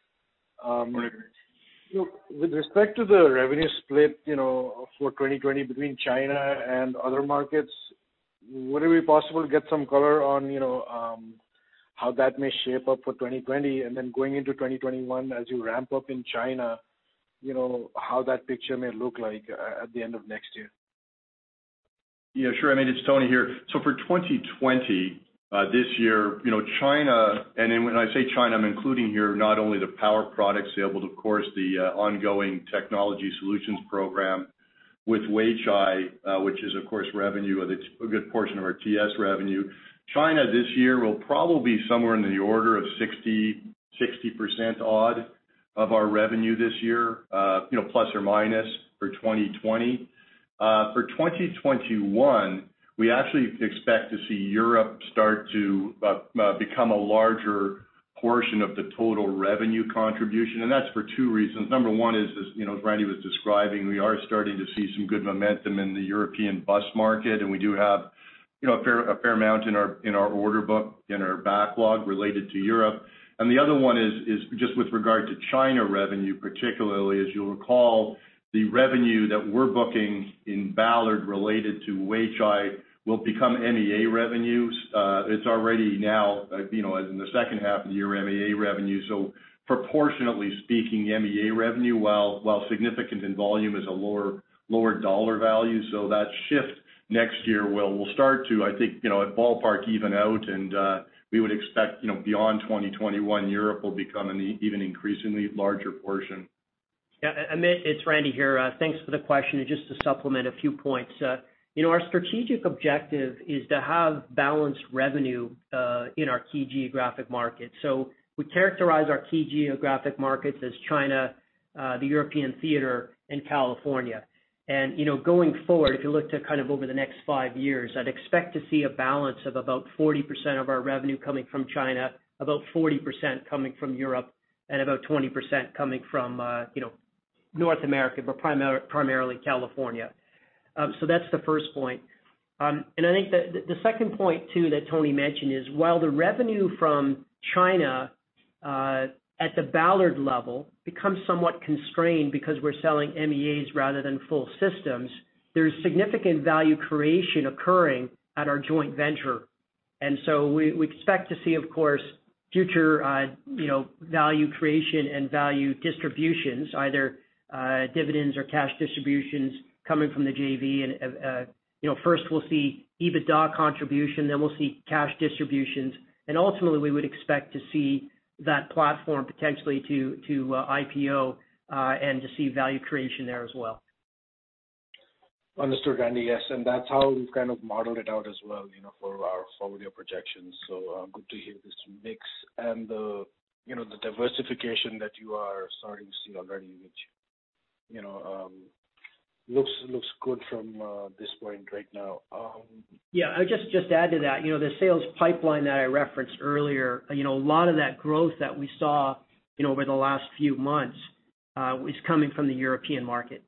Look, with respect to the revenue split, you know, for 2020 between China and other markets, would it be possible to get some color on, you know, how that may shape up for 2020, and then going into 2021, as you ramp up in China, you know, how that picture may look like at the end of next year? Yeah, sure, Amit, it's Tony here. For 2020, this year, you know, China, and then when I say China, I'm including here not only the power product sale, but of course, the ongoing Technology Solutions program with Weichai, which is of course, revenue, or a good portion of our TS revenue. China this year will probably be somewhere in the order of 60% odd of our revenue this year, you know, plus or minus for 2020. For 2021, we actually expect to see Europe start to become a larger portion of the total revenue contribution, and that's for two reasons. Number one is, you know, as Randy was describing, we are starting to see some good momentum in the European bus market. We do have, you know, a fair amount in our, in our order book, in our backlog related to Europe. The other one is just with regard to China revenue, particularly, as you'll recall, the revenue that we're booking in Ballard related to Weichai will become MEA revenues. It's already now, you know, in the second half of the year, MEA revenue. Proportionately speaking, MEA revenue, while significant in volume, is a lower dollar value. That shift next year will start to, I think, you know, at ballpark, even out. We would expect, you know, beyond 2021, Europe will become an even increasingly larger portion. Yeah, Amit, it's Randy here. Thanks for the question, and just to supplement a few points. You know, our strategic objective is to have balanced revenue in our key geographic markets. We characterize our key geographic markets as China, the European Theater and California. You know, going forward, if you look to kind of over the next five years, I'd expect to see a balance of about 40% of our revenue coming from China, about 40% coming from Europe, and about 20% coming from, you know, North America, but primarily California. That's the first point. I think the second point, too, that Tony mentioned is, while the revenue from China at the Ballard level becomes somewhat constrained because we're selling MEAs rather than full systems, there's significant value creation occurring at our joint venture. We expect to see, of course, future, you know, value creation and value distributions, either dividends or cash distributions coming from the JV. You know, first, we'll see EBITDA contribution, then we'll see cash distributions, and ultimately, we would expect to see that platform potentially to IPO and to see value creation there as well. Understood, Randy. Yes, that's how we've kind of modeled it out as well, you know, for our forward year projections. Good to hear this mix and the, you know, the diversification that you are starting to see already, which, you know, looks good from this point right now. Yeah. I'll just add to that. You know, the sales pipeline that I referenced earlier, you know, a lot of that growth that we saw, you know, over the last few months, is coming from the European market.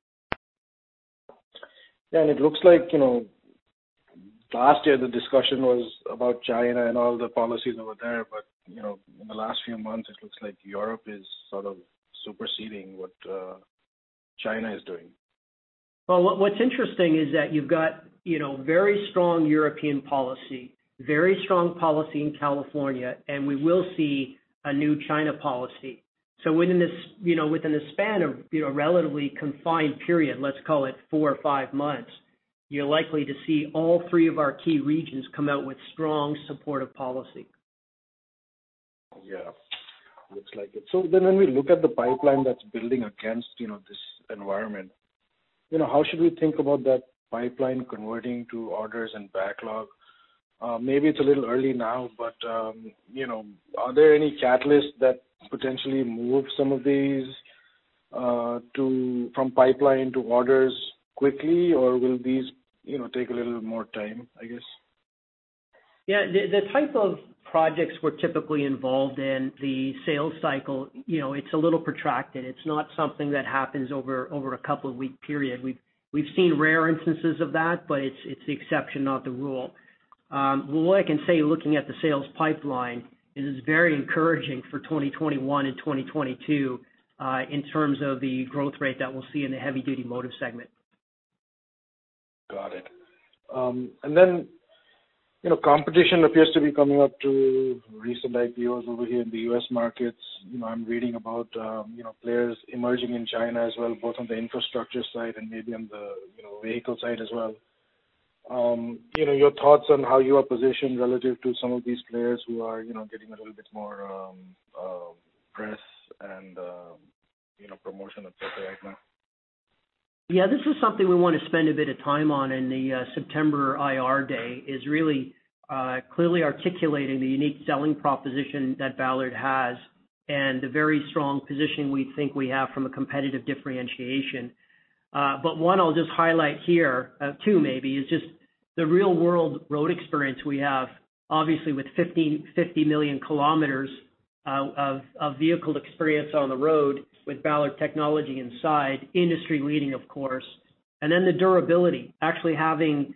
It looks like, you know, last year, the discussion was about China and all the policies over there. You know, in the last few months, it looks like Europe is sort of superseding what China is doing. Well, what's interesting is that you've got, you know, very strong European policy, very strong policy in California, and we will see a new China policy. Within this, you know, within the span of, you know, a relatively confined period, let's call it four or five months, you're likely to see all three of our key regions come out with strong supportive policy. Yeah, looks like it. When we look at the pipeline that's building against, you know, this environment, you know, how should we think about that pipeline converting to orders and backlog? Maybe it's a little early now, but, you know, are there any catalysts that potentially move some of these from pipeline to orders quickly, or will these, you know, take a little more time, I guess? Yeah, the type of projects we're typically involved in, the sales cycle, you know, it's a little protracted. It's not something that happens over a couple of week period. We've seen rare instances of that, but it's the exception, not the rule. What I can say, looking at the sales pipeline, it is very encouraging for 2021 and 2022, in terms of the growth rate that we'll see in the heavy-duty motive segment. Got it. You know, competition appears to be coming up to recent IPOs over here in the U.S. markets. You know, I'm reading about, you know, players emerging in China as well, both on the infrastructure side and maybe on the, you know, vehicle side as well. You know, your thoughts on how you are positioned relative to some of these players who are, you know, getting a little bit more, press and, you know, promotion, et cetera, right now? Yeah, this is something we want to spend a bit of time on in the September IR day, is really clearly articulating the unique selling proposition that Ballard has and the very strong position we think we have from a competitive differentiation. One, I'll just highlight here, two maybe, is just the real-world road experience we have, obviously, with 50 million kilometers of vehicle experience on the road with Ballard technology inside, industry-leading, of course. The durability, actually having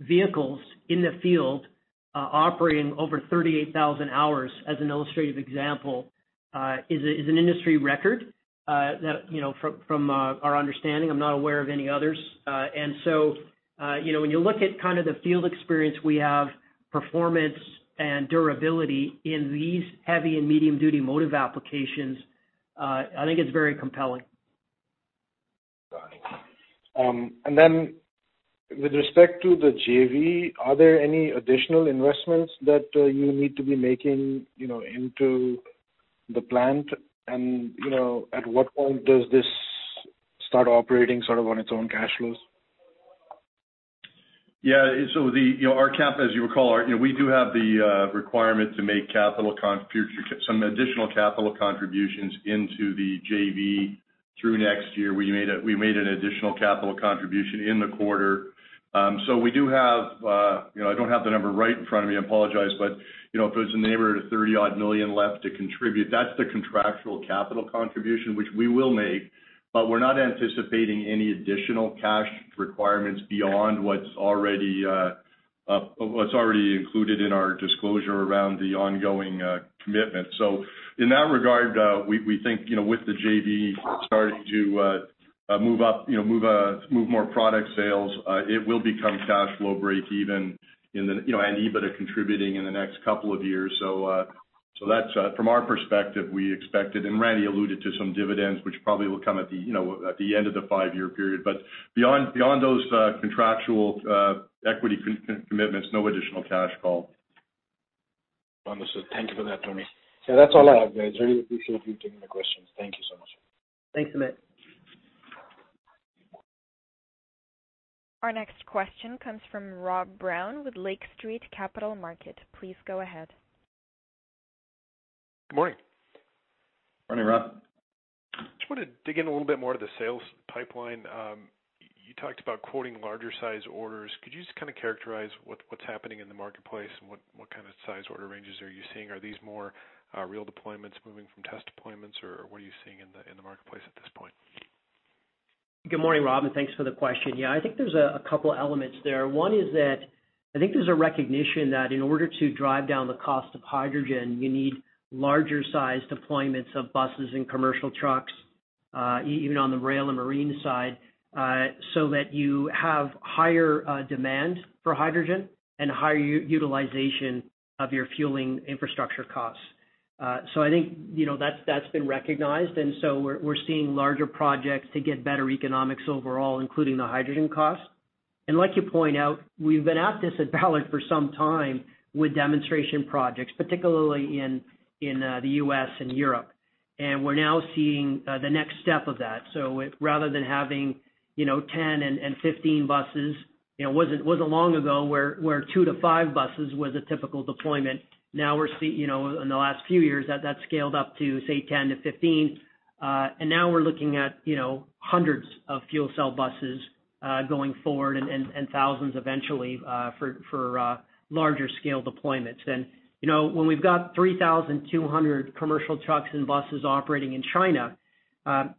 vehicles in the field, operating over 38,000 hours as an illustrative example, is an industry record that, you know, from our understanding, I'm not aware of any others. You know, when you look at kind of the field experience we have, performance and durability in these heavy- and medium-duty motive applications, I think it's very compelling. Got it. With respect to the JV, are there any additional investments that you need to be making, you know, into the plant? You know, at what point does this start operating sort of on its own cash flows? The, you know, our cap, as you recall, you know, we do have the requirement to make capital contributions into the JV through next year. We made an additional capital contribution in the quarter. We do have, you know, I don't have the number right in front of me, I apologize, but, you know, if it was in the neighborhood of $30-odd million left to contribute, that's the contractual capital contribution, which we will make, but we're not anticipating any additional cash requirements beyond what's already, what's already included in our disclosure around the ongoing commitment. In that regard, we think, you know, with the JV starting to move up, you know, move more product sales, it will become cash flow breakeven, you know, and EBITDA contributing in the next couple of years. That's from our perspective, we expected, and Randy MacEwen alluded to some dividends, which probably will come at the, you know, at the end of the 5-year period. But beyond those contractual equity commitments, no additional cash call. Understood. Thank you for that, Tony. That's all I have, guys. Really appreciate you taking the questions. Thank you so much. Thanks, Amit. Our next question comes from Rob Brown with Lake Street Capital Markets. Please go ahead. Good morning. Morning, Rob. Just wanted to dig in a little bit more to the sales pipeline. You talked about quoting larger size orders. Could you just kind of characterize what's happening in the marketplace and what kind of size order ranges are you seeing? Are these more real deployments moving from test deployments, or what are you seeing in the marketplace at this point? Good morning, Rob, and thanks for the question. Yeah, I think there's a couple elements there. One is that I think there's a recognition that in order to drive down the cost of hydrogen, you need larger size deployments of buses and commercial trucks, even on the rail and marine side, so that you have higher demand for hydrogen and higher utilization of your fueling infrastructure costs. I think, you know, that's been recognized. We're seeing larger projects to get better economics overall, including the hydrogen costs. Like you point out, we've been at this at Ballard for some time with demonstration projects, particularly in the U.S. and Europe, and we're now seeing the next step of that. Rather than having, you know, 10 and 15 buses, you know, it wasn't long ago where 2 to 5 buses was a typical deployment. Now we're, you know, in the last few years, that's scaled up to, say, 10 to 15. Now we're looking at, you know, hundreds of fuel cell buses going forward and thousands eventually for larger scale deployments. You know, when we've got 3,200 commercial trucks and buses operating in China,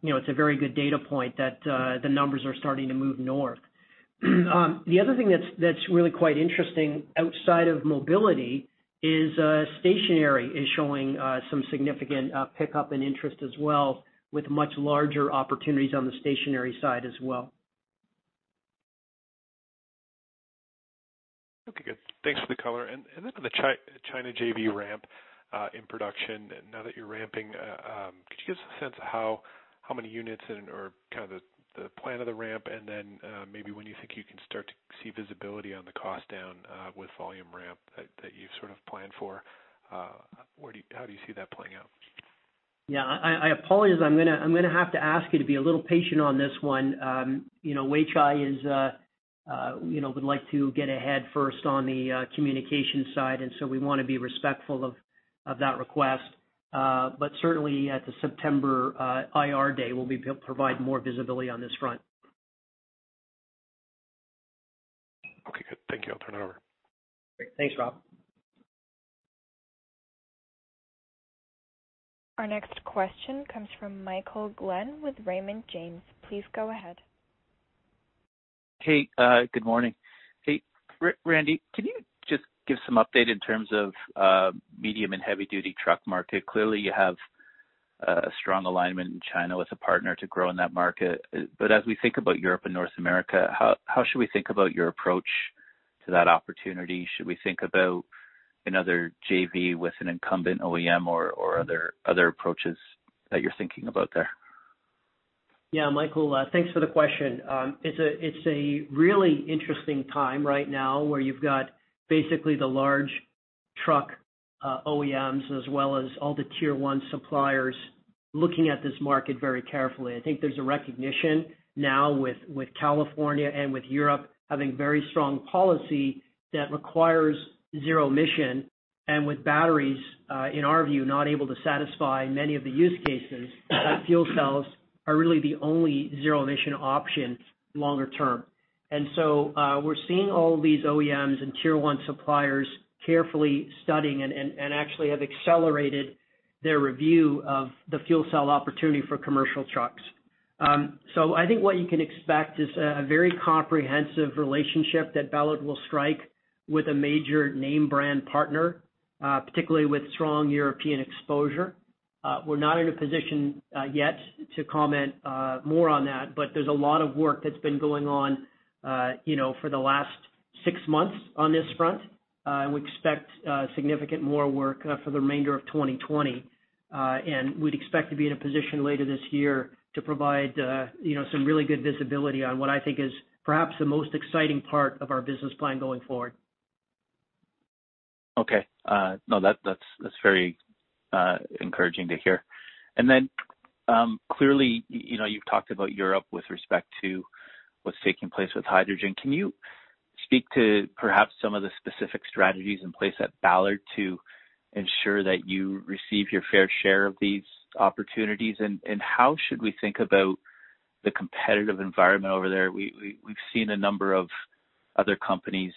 you know, it's a very good data point that the numbers are starting to move north. The other thing that's really quite interesting outside of mobility is stationary is showing some significant pickup in interest as well, with much larger opportunities on the stationary side as well. Okay, good. Thanks for the color. Then for the China JV ramp, in production, and now that you're ramping, could you give us a sense of how many units and-or kind of the plan of the ramp, and then, maybe when you think you can start to see visibility on the cost down with volume ramp that you've sort of planned for? How do you see that playing out? Yeah, I apologize. I'm gonna have to ask you to be a little patient on this one. You know, Weichai is, you know, would like to get ahead first on the communication side, we wanna be respectful of that request. Certainly at the September IR day, we'll provide more visibility on this front. Okay, good. Thank you. I'll turn it over. Great. Thanks, Rob. Our next question comes from Michael Glen with Raymond James. Please go ahead. Hey, good morning. Hey, Randy, can you just give some update in terms of medium- and heavy-duty truck market? Clearly, you have a strong alignment in China with a partner to grow in that market. As we think about Europe and North America, how should we think about your approach to that opportunity? Should we think about another JV with an incumbent OEM or other approaches that you're thinking about there? Yeah, Michael, thanks for the question. It's a really interesting time right now, where you've got basically the large truck OEMs, as well as all the Tier 1 suppliers, looking at this market very carefully. I think there's a recognition now with California and with Europe having very strong policy that requires zero emission, and with batteries, in our view, not able to satisfy many of the use cases, that fuel cells are really the only zero-emission option longer term. We're seeing all these OEMs and Tier 1 suppliers carefully studying and actually have accelerated their review of the fuel cell opportunity for commercial trucks. I think what you can expect is a very comprehensive relationship that Ballard will strike with a major name brand partner, particularly with strong European exposure. We're not in a position yet to comment more on that, but there's a lot of work that's been going on, you know, for the last 6 months on this front. We expect significant more work for the remainder of 2020. We'd expect to be in a position later this year to provide, you know, some really good visibility on what I think is perhaps the most exciting part of our business plan going forward. Okay. No, that's very encouraging to hear. Then, clearly, you know, you've talked about Europe with respect to what's taking place with hydrogen. Can you speak to perhaps some of the specific strategies in place at Ballard to ensure that you receive your fair share of these opportunities? How should we think about the competitive environment over there? We've seen a number of other companies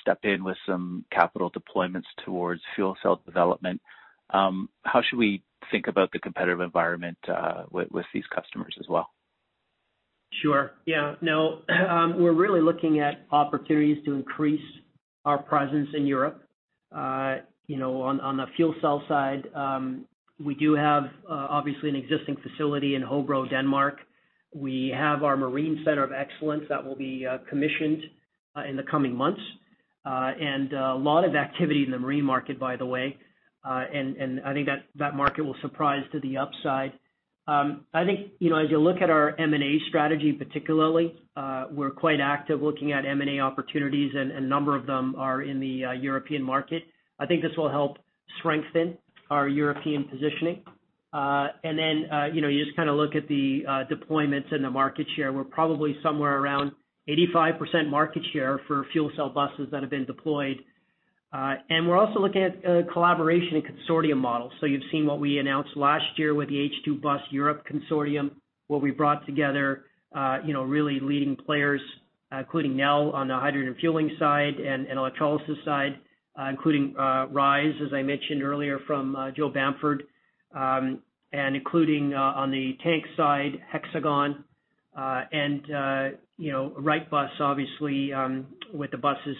step in with some capital deployments towards fuel cell development. How should we think about the competitive environment with these customers as well? Sure. Yeah, no, we're really looking at opportunities to increase our presence in Europe. You know, on the fuel cell side, we do have obviously an existing facility in Hobro, Denmark. We have our Marine Center of Excellence that will be commissioned in the coming months. A lot of activity in the marine market, by the way. I think that market will surprise to the upside. I think, you know, as you look at our M&A strategy, particularly, we're quite active looking at M&A opportunities, and a number of them are in the European market. I think this will help strengthen our European positioning. Then, you know, you just kind of look at the deployments and the market share. We're probably somewhere around 85% market share for fuel cell buses that have been deployed. We're also looking at, collaboration and consortium models. You've seen what we announced last year with the H2Bus Consortium, where we brought together, you know, really leading players, including Nel on the hydrogen fueling side and electrolysis side, including Ryze Hydrogen, as I mentioned earlier, from Jo Bamford. Including on the tank side, Hexagon, and you know, Wrightbus obviously, with the buses.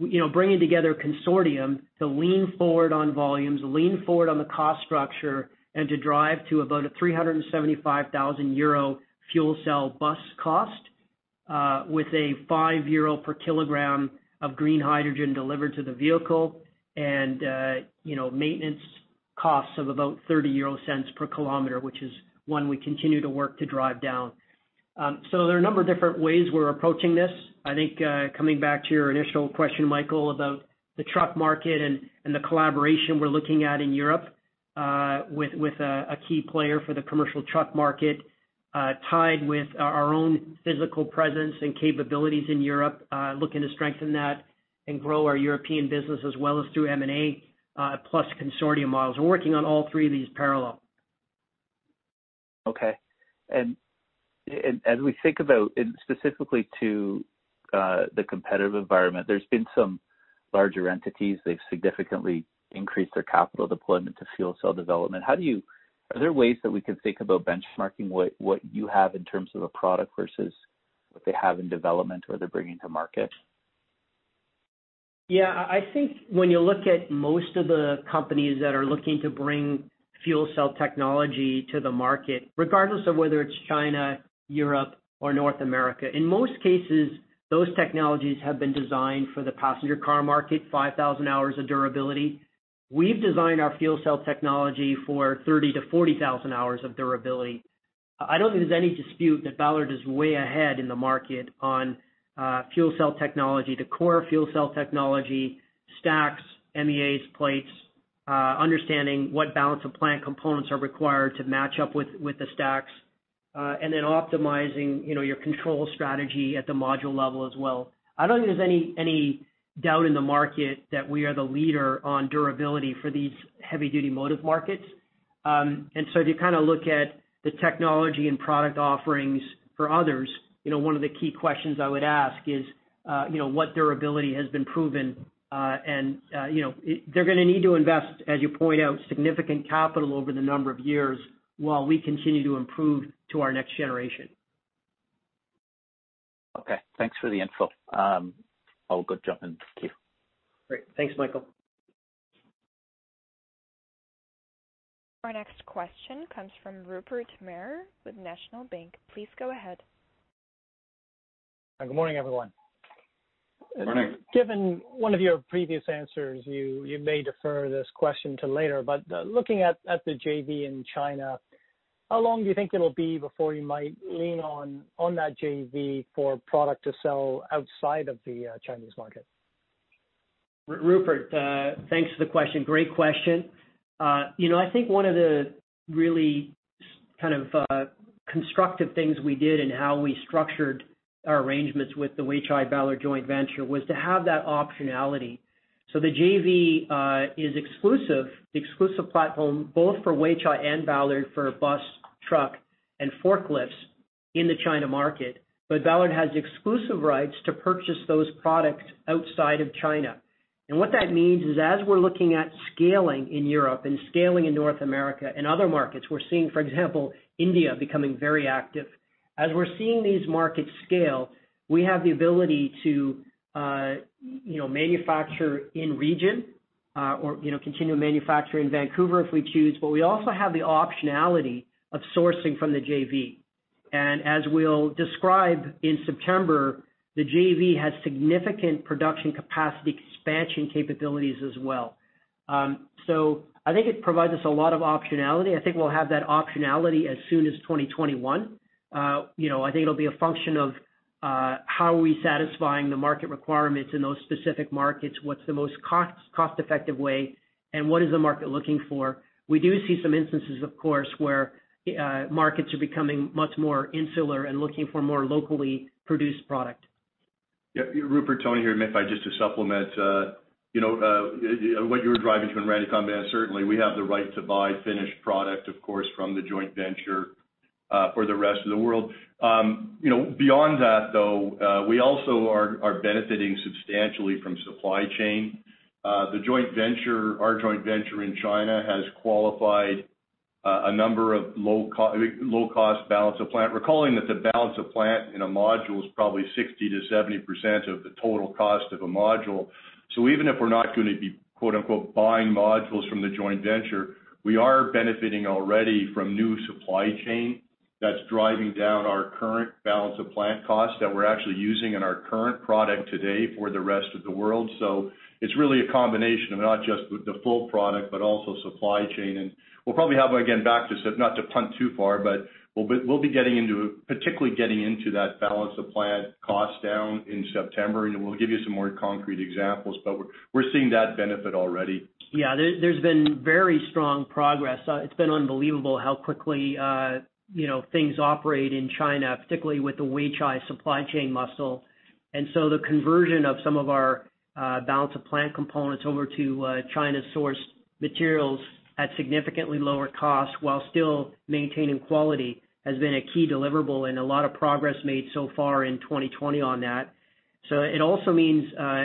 You know, bringing together a consortium to lean forward on volumes, lean forward on the cost structure, and to drive to about a 375,000 euro fuel cell bus cost with a 5 euro per kilogram of green hydrogen delivered to the vehicle, you know, maintenance costs of about 0.30 per kilometer, which is one we continue to work to drive down. There are a number of different ways we're approaching this. I think coming back to your initial question, Michael, about the truck market and the collaboration we're looking at in Europe with a key player for the commercial truck market tied with our own physical presence and capabilities in Europe looking to strengthen that and grow our European business as well as through M&A plus consortium models. We're working on all three of these parallel. Okay. As we think about, and specifically to the competitive environment, there's been some larger entities, they've significantly increased their capital deployment to fuel cell development. Are there ways that we can think about benchmarking what you have in terms of a product versus what they have in development or they're bringing to market? I think when you look at most of the companies that are looking to bring fuel cell technology to the market, regardless of whether it's China, Europe, or North America, in most cases, those technologies have been designed for the passenger car market, 5,000 hours of durability. We've designed our fuel cell technology for 30,000-40,000 hours of durability. I don't think there's any dispute that Ballard is way ahead in the market on fuel cell technology, the core fuel cell technology, stacks, MEAs, plates, understanding what balance of plant components are required to match up with the stacks, and then optimizing, you know, your control strategy at the module level as well. I don't think there's any doubt in the market that we are the leader on durability for these heavy-duty motive markets. If you kind of look at the technology and product offerings for others, you know, one of the key questions I would ask is, you know, what durability has been proven? You know, they're gonna need to invest, as you point out, significant capital over the number of years, while we continue to improve to our next generation. Okay, thanks for the info. I'll go jump in to Keith. Great. Thanks, Michael. Our next question comes from Rupert Merer with National Bank Financial. Please go ahead. Good morning, everyone. Good morning. Given one of your previous answers, you may defer this question to later, but looking at the JV in China, how long do you think it'll be before you might lean on that JV for product to sell outside of the Chinese market? Rupert, thanks for the question. Great question. You know, I think one of the really kind of constructive things we did in how we structured our arrangements with the Weichai Ballard joint venture was to have that optionality. The JV is exclusive, the exclusive platform, both for Weichai and Ballard, for bus, truck, and forklifts in the China market. Ballard has exclusive rights to purchase those products outside of China. What that means is, as we're looking at scaling in Europe and scaling in North America and other markets, we're seeing, for example, India becoming very active. As we're seeing these markets scale, we have the ability to, you know, manufacture in region, or, you know, continue to manufacture in Vancouver if we choose, but we also have the optionality of sourcing from the JV. As we'll describe in September, the JV has significant production capacity expansion capabilities as well. I think it provides us a lot of optionality. I think we'll have that optionality as soon as 2021. You know, I think it'll be a function of how are we satisfying the market requirements in those specific markets? What's the most cost-effective way, and what is the market looking for? We do see some instances, of course, where markets are becoming much more insular and looking for more locally produced product. Yeah, Rupert Merer, Tony Guglielmin here. If I just to supplement, you know, what you were driving to, and Randy MacEwen combined, certainly, we have the right to buy finished product, of course, from the joint venture for the rest of the world. You know, beyond that, though, we also are benefiting substantially from supply chain. The joint venture, our joint venture in China, has qualified a number of low-cost balance of plant. Recalling that the balance of plant in a module is probably 60% to 70% of the total cost of a module. Even if we're not going to be, quote, unquote "buying modules from the joint venture," we are benefiting already from new supply chain. That's driving down our current balance of plant costs that we're actually using in our current product today for the rest of the world. It's really a combination of not just with the flow product, but also supply chain. We'll probably have, again, back to not to punt too far, but we'll be getting into, particularly getting into that balance of plant cost down in September, and we'll give you some more concrete examples. We're seeing that benefit already. Yeah, there's been very strong progress. It's been unbelievable how quickly, you know, things operate in China, particularly with the Weichai supply chain muscle. The conversion of some of our balance of plant components over to China-sourced materials at significantly lower costs, while still maintaining quality, has been a key deliverable, and a lot of progress made so far in 2020 on that. It also means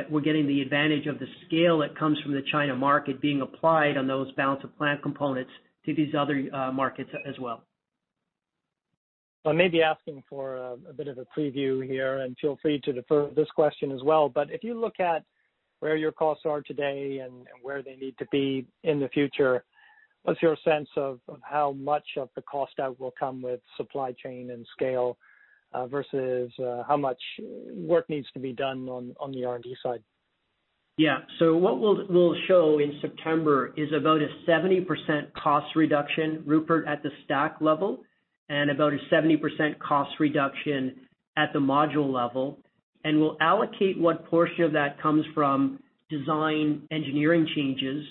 we're getting the advantage of the scale that comes from the China market being applied on those balance of plant components to these other markets as well. I may be asking for a bit of a preview here, feel free to defer this question as well. If you look at where your costs are today and where they need to be in the future, what's your sense of how much of the cost out will come with supply chain and scale versus how much work needs to be done on the R&D side? Yeah. What we'll show in September is about a 70% cost reduction, Rupert, at the stack level, and about a 70% cost reduction at the module level. We'll allocate what portion of that comes from design engineering changes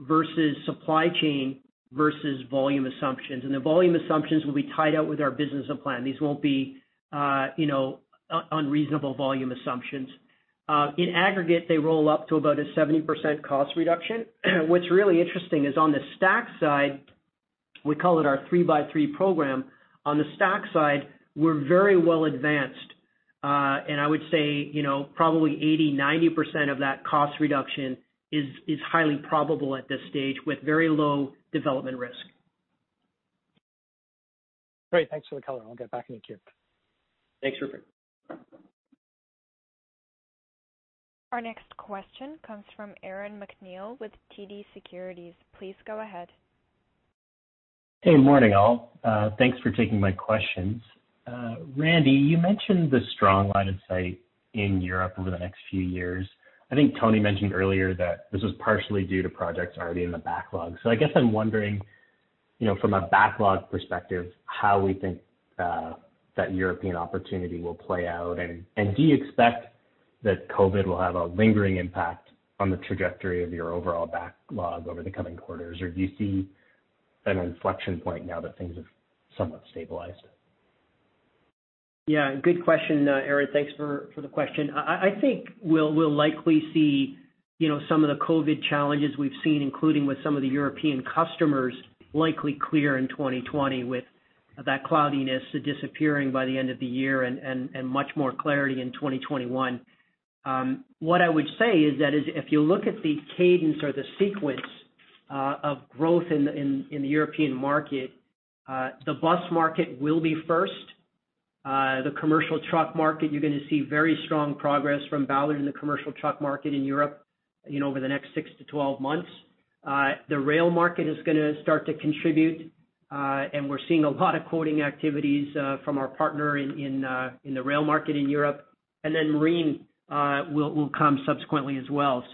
versus supply chain versus volume assumptions. The volume assumptions will be tied out with our business plan. These won't be, you know, unreasonable volume assumptions. In aggregate, they roll up to about a 70% cost reduction. What's really interesting is on the stack side, we call it our three by three program. On the stack side, we're very well advanced, and I would say, you know, probably 80%, 90% of that cost reduction is highly probable at this stage with very low development risk. Great. Thanks for the color. I'll get back in the queue. Thanks, Rupert. Our next question comes from Aaron MacNeil with TD Securities. Please go ahead. Good morning, all. Thanks for taking my questions. Randy, you mentioned the strong line of sight in Europe over the next few years. I think Tony mentioned earlier that this was partially due to projects already in the backlog. I guess I'm wondering, you know, from a backlog perspective, how we think that European opportunity will play out, and do you expect that COVID will have a lingering impact on the trajectory of your overall backlog over the coming quarters? Or do you see an inflection point now that things have somewhat stabilized? Good question, Aaron. Thanks for the question. I think we'll likely see, you know, some of the COVID challenges we've seen, including with some of the European customers, likely clear in 2020, with that cloudiness disappearing by the end of the year and much more clarity in 2021. What I would say is that is, if you look at the cadence or the sequence of growth in the European market, the bus market will be first. The commercial truck market, you're gonna see very strong progress from Ballard in the commercial truck market in Europe, you know, over the next 6-12 months. The rail market is gonna start to contribute, and we're seeing a lot of quoting activities from our partner in the rail market in Europe, and then marine will come subsequently as well.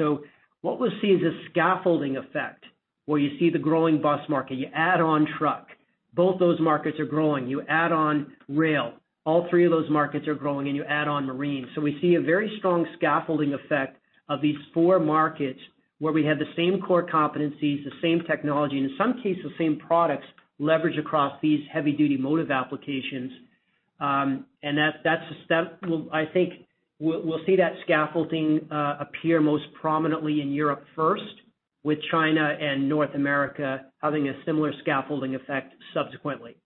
What we'll see is a scaffolding effect, where you see the growing bus market, you add on truck. Both those markets are growing. You add on rail, all three of those markets are growing, and you add on marine. We see a very strong scaffolding effect of these four markets, where we have the same core competencies, the same technology, and in some cases, the same products leveraged across these heavy-duty motive applications. And that's I think we'll see that scaffolding appear most prominently in Europe first, with China and North America having a similar scaffolding effect subsequently.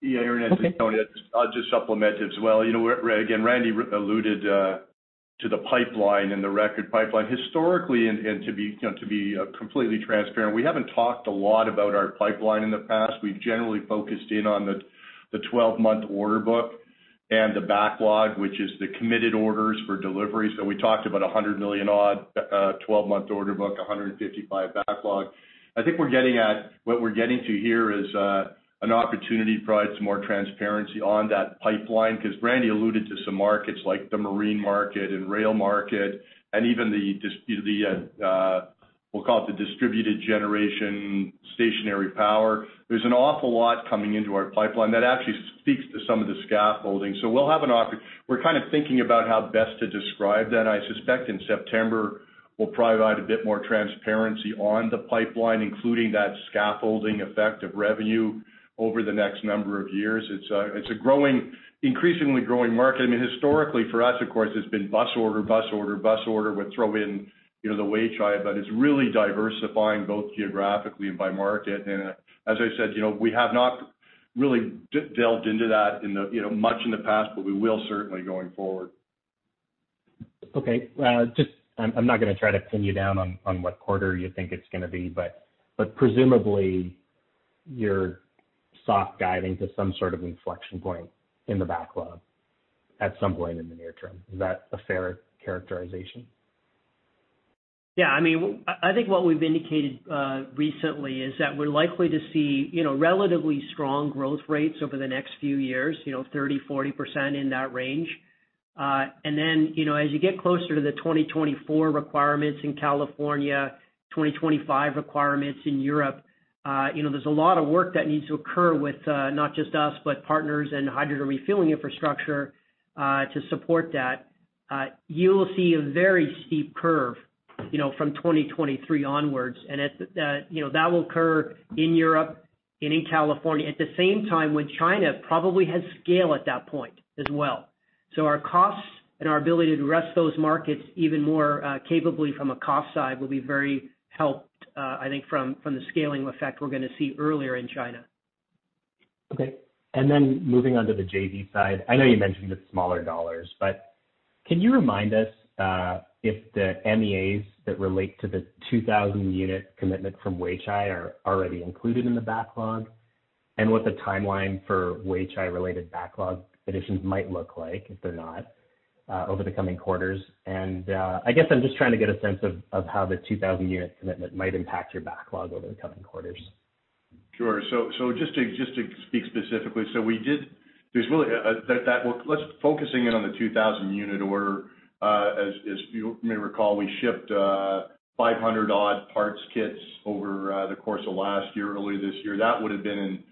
Yeah, Aaron, it's Tony. I'll just supplement as well. You know, again, Randy alluded to the pipeline and the record pipeline. Historically, to be, you know, to be completely transparent, we haven't talked a lot about our pipeline in the past. We've generally focused in on the twelve-month order book and the backlog, which is the committed orders for delivery. We talked about a $100 million-odd, twelve-month order book, a $155 backlog. I think what we're getting to here is an opportunity to provide some more transparency on that pipeline, because Randy alluded to some markets like the marine market and rail market, and even the we'll call it the distributed generation, stationary power. There's an awful lot coming into our pipeline that actually speaks to some of the scaffolding. We'll have an oppor- we're kind of thinking about how best to describe that. I suspect in September, we'll provide a bit more transparency on the pipeline, including that scaffolding effect of revenue over the next number of years. It's a, it's a growing, increasingly growing market. I mean, historically, for us, of course, it's been bus order, bus order, bus order, with throw in, you know, the Weichai, but it's really diversifying both geographically and by market. As I said, you know, we have not really delved into that in the, you know, much in the past, but we will certainly going forward. I'm not gonna try to pin you down on what quarter you think it's gonna be, but presumably, you're soft guiding to some sort of inflection point in the backlog at some point in the near term. Is that a fair characterization? .Yeah, I mean, I think what we've indicated recently is that we're likely to see, you know, relatively strong growth rates over the next few years, you know, 30%-40% in that range. Then, you know, as you get closer to the 2024 requirements in California, 2025 requirements in Europe, you know, there's a lot of work that needs to occur with not just us, but partners and hydrogen refueling infrastructure to support that. You will see a very steep curve, you know, from 2023 onwards, and at the, you know, that will occur in Europe and in California. At the same time, when China probably has scale at that point as well. Our costs and our ability to address those markets even more, capably from a cost side, will be very helped, I think from the scaling effect we're gonna see earlier in China. Okay. Then moving on to the JV side. I know you mentioned the smaller dollars, but can you remind us if the MEAs that relate to the 2,000 unit commitment from Weichai are already included in the backlog? What the timeline for Weichai-related backlog additions might look like, if they're not, over the coming quarters? I guess I'm just trying to get a sense of how the 2,000 unit commitment might impact your backlog over the coming quarters. Sure. Just to speak specifically, Let's focusing in on the 2,000 unit order, as you may recall, we shipped 500 odd parts kits over the course of last year, early this year. That would've been in,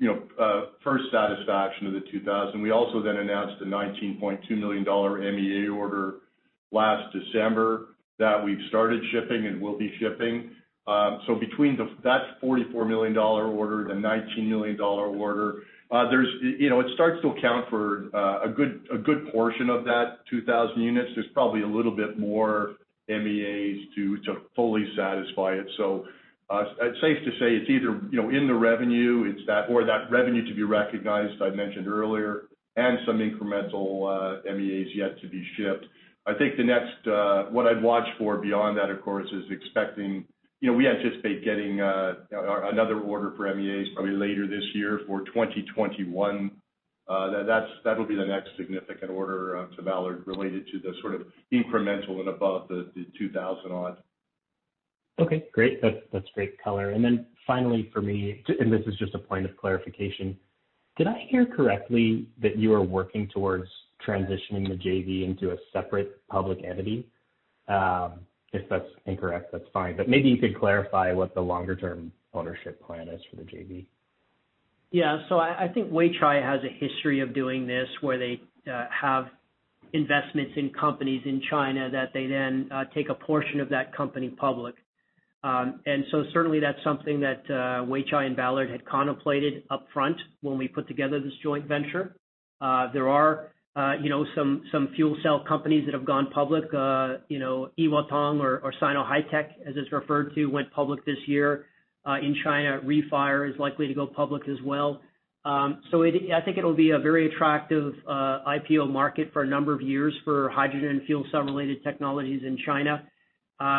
you know, first satisfaction of the 2,000. We also then announced a $19.2 million MEA order last December, that we've started shipping and will be shipping. Between that $44 million order, the $19 million order, there's, you know, it starts to account for a good portion of that 2,000 units. There's probably a little bit more MEAs to fully satisfy it. It's safe to say it's either, you know, in the revenue, it's that, or that revenue to be recognized, I mentioned earlier, and some incremental MEAs yet to be shipped. I think the next, what I'd watch for beyond that, of course, is expecting. You know, we anticipate getting another order for MEAs, probably later this year for 2021. That's, that'll be the next significant order to Ballard, related to the sort of incremental and above the 2,000 odd. Okay, great. That's great color. Finally, for me, this is just a point of clarification: Did I hear correctly that you are working towards transitioning the JV into a separate public entity? If that's incorrect, that's fine, but maybe you could clarify what the longer term ownership plan is for the JV. Yeah. I think Weichai has a history of doing this, where they have investments in companies in China, that they then take a portion of that company public. Certainly, that's something that Weichai and Ballard had contemplated upfront when we put together this joint venture. There are, you know, some fuel cell companies that have gone public, you know, Yihuatong or SinoHytec, as it's referred to, went public this year. In China, REFIRE is likely to go public as well. It, I think it'll be a very attractive IPO market for a number of years for hydrogen and fuel cell-related technologies in China.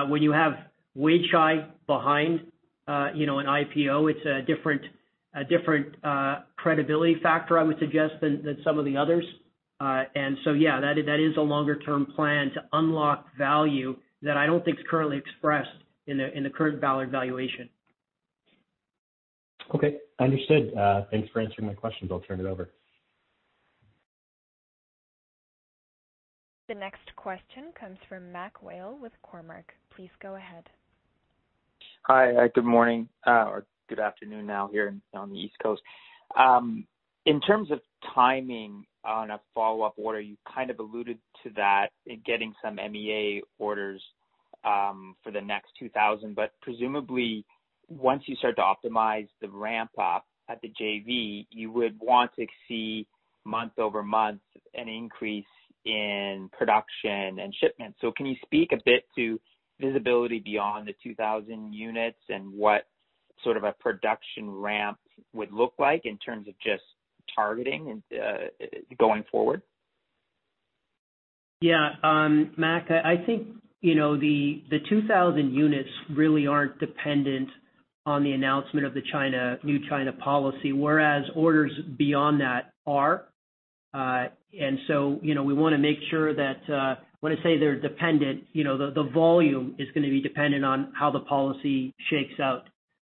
When you have Weichai behind, you know, an IPO, it's a different, a different credibility factor, I would suggest, than some of the others. Yeah, that is a longer term plan to unlock value, that I don't think is currently expressed in the current Ballard valuation. Okay, understood. Thanks for answering my questions. I'll turn it over. The next question comes from Mac Whale with Cormark. Please go ahead. Hi, good morning, or good afternoon now, here on the East Coast. In terms of timing on a follow-up order, you kind of alluded to that in getting some MEA orders for the next 2,000. Presumably, once you start to optimize the ramp up at the JV, you would want to see month-over-month an increase in production and shipments. Can you speak a bit to visibility beyond the 2,000 units, and what sort of a production ramp would look like in terms of just targeting and going forward? Mac, I think, you know, the 2,000 units really aren't dependent on the announcement of the China- new China policy, whereas orders beyond that are. You know, we wanna make sure that when I say they're dependent, you know, the volume is gonna be dependent on how the policy shakes out,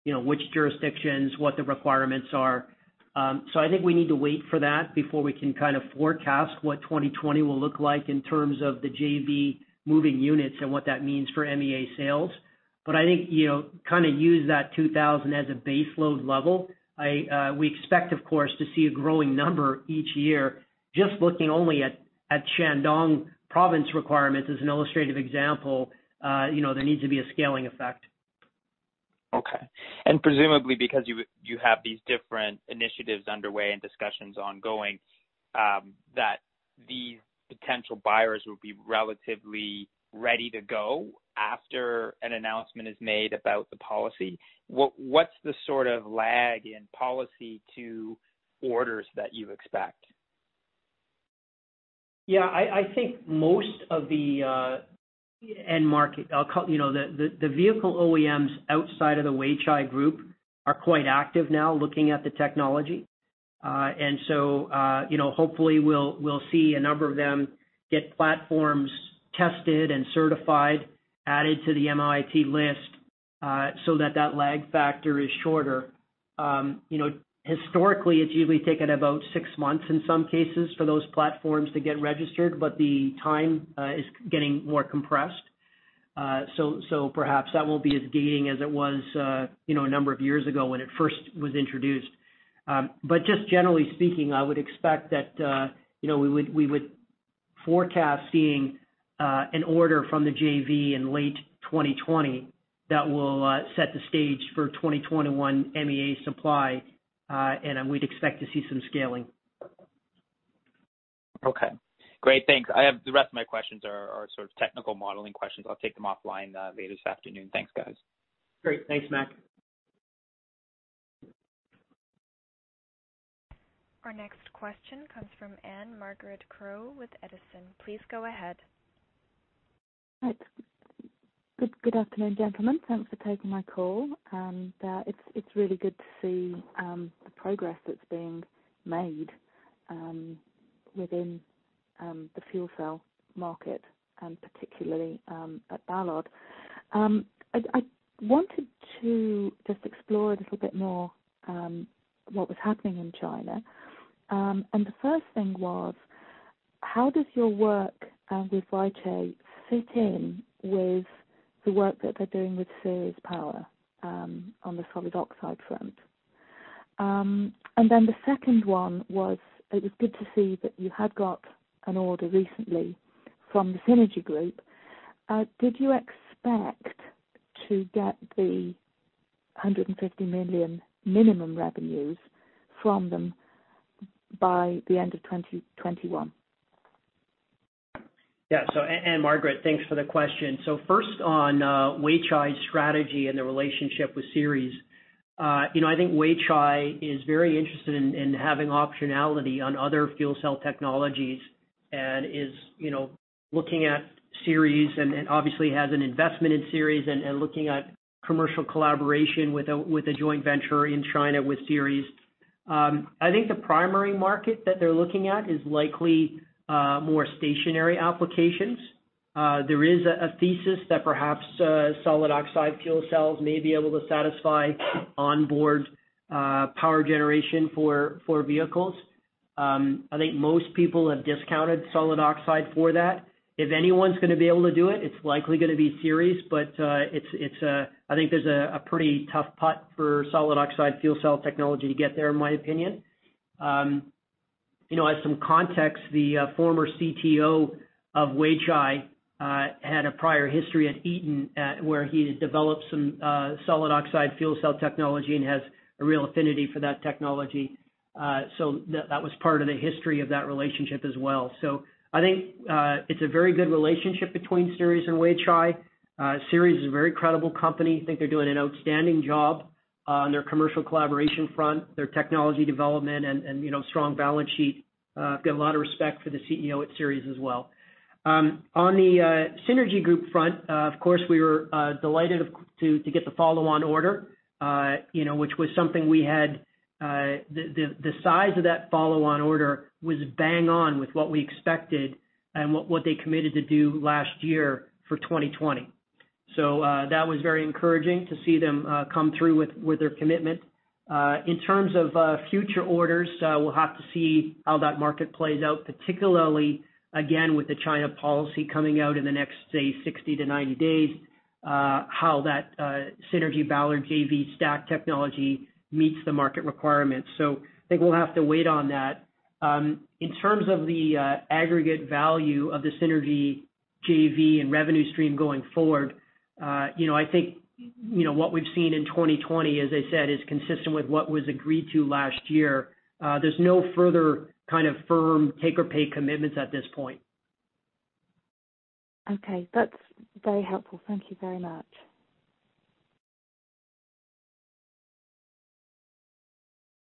you know, which jurisdictions, what the requirements are. I think we need to wait for that before we can kind of forecast what 2020 will look like in terms of the JV moving units and what that means for MEA sales. I think, you know, kind of use that 2,000 as a base load level. We expect, of course, to see a growing number each year. Just looking only at Shandong province requirements as an illustrative example, you know, there needs to be a scaling effect. Okay. Presumably, because you have these different initiatives underway and discussions ongoing, that these potential buyers will be relatively ready to go after an announcement is made about the policy. What's the sort of lag in policy to orders that you expect? I think most of the end market, you know, the vehicle OEMs outside of the Weichai Group are quite active now, looking at the technology. You know, hopefully, we'll see a number of them get platforms tested and certified, added to the MIIT list, so that lag factor is shorter. You know, historically, it's usually taken about 6 months in some cases for those platforms to get registered, but the time is getting more compressed. So perhaps that won't be as gating as it was, you know, a number of years ago when it first was introduced. Just generally speaking, I would expect that, you know, we would forecast seeing an order from the JV in late 2020, that will set the stage for 2021 MEA supply, and then we'd expect to see some scaling. Okay, great. Thanks. I have the rest of my questions are sort of technical modeling questions. I'll take them offline later this afternoon. Thanks, guys. Great. Thanks, Mac. Our next question comes from Anne Margaret Crow with Edison. Please go ahead. Hi. Good afternoon, gentlemen. Thanks for taking my call. It's really good to see the progress that's being made within the fuel cell market, and particularly at Ballard. I wanted to just explore a little bit more what was happening in China. The first thing was, how does your work with Weichai fit in with the work that they're doing with Ceres Power on the solid oxide front? The second one was, it was good to see that you had got an order recently from the Synergy Group. Did you expect to get the $150 million minimum revenues from them by the end of 2021? Anne Margaret, thanks for the question. First on Weichai's strategy and the relationship with Ceres. You know, I think Weichai is very interested in having optionality on other fuel cell technologies, and is, you know, looking at Ceres and obviously has an investment in Ceres and looking at commercial collaboration with a joint venture in China with Ceres. I think the primary market that they're looking at is likely more stationary applications. There is a thesis that perhaps solid oxide fuel cells may be able to satisfy onboard power generation for vehicles. I think most people have discounted solid oxide for that. If anyone's gonna be able to do it's likely gonna be Ceres, but it's a, I think there's a pretty tough putt for solid oxide fuel cell technology to get there, in my opinion. You know, as some context, the former CTO of Weichai had a prior history at Eaton, at where he had developed some solid oxide fuel cell technology and has a real affinity for that technology. That, that was part of the history of that relationship as well. I think it's a very good relationship between Ceres and Weichai. Ceres is a very credible company. I think they're doing an outstanding job on their commercial collaboration front, their technology development and, you know, strong balance sheet. I've got a lot of respect for the CEO at Ceres as well. On the Synergy Group front, of course, we were delighted to get the follow-on order, you know, which was something we had. The size of that follow-on order was bang on with what we expected and what they committed to do last year for 2020. That was very encouraging to see them come through with their commitment. In terms of future orders, we'll have to see how that market plays out, particularly again, with the China policy coming out in the next, say, 60 to 90 days, how that Synergy-Ballard JV stack technology meets the market requirements. I think we'll have to wait on that. In terms of the aggregate value of the Synergy JV and revenue stream going forward, you know, I think, you know, what we've seen in 2020, as I said, is consistent with what was agreed to last year. There's no further kind of firm take-or-pay commitments at this point. Okay. That's very helpful. Thank you very much.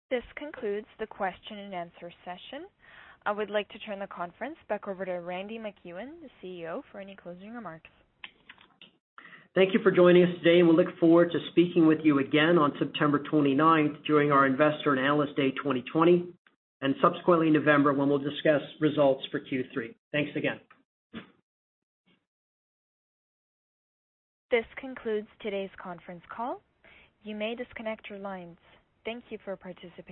This concludes the question and answer session. I would like to turn the conference back over to Randy MacEwen, the CEO, for any closing remarks. Thank you for joining us today, and we look forward to speaking with you again on September 29, during our Investor and Analyst Day 2020, and subsequently in November, when we'll discuss results for Q3. Thanks again. This concludes today's conference call. You may disconnect your lines. Thank you for participating.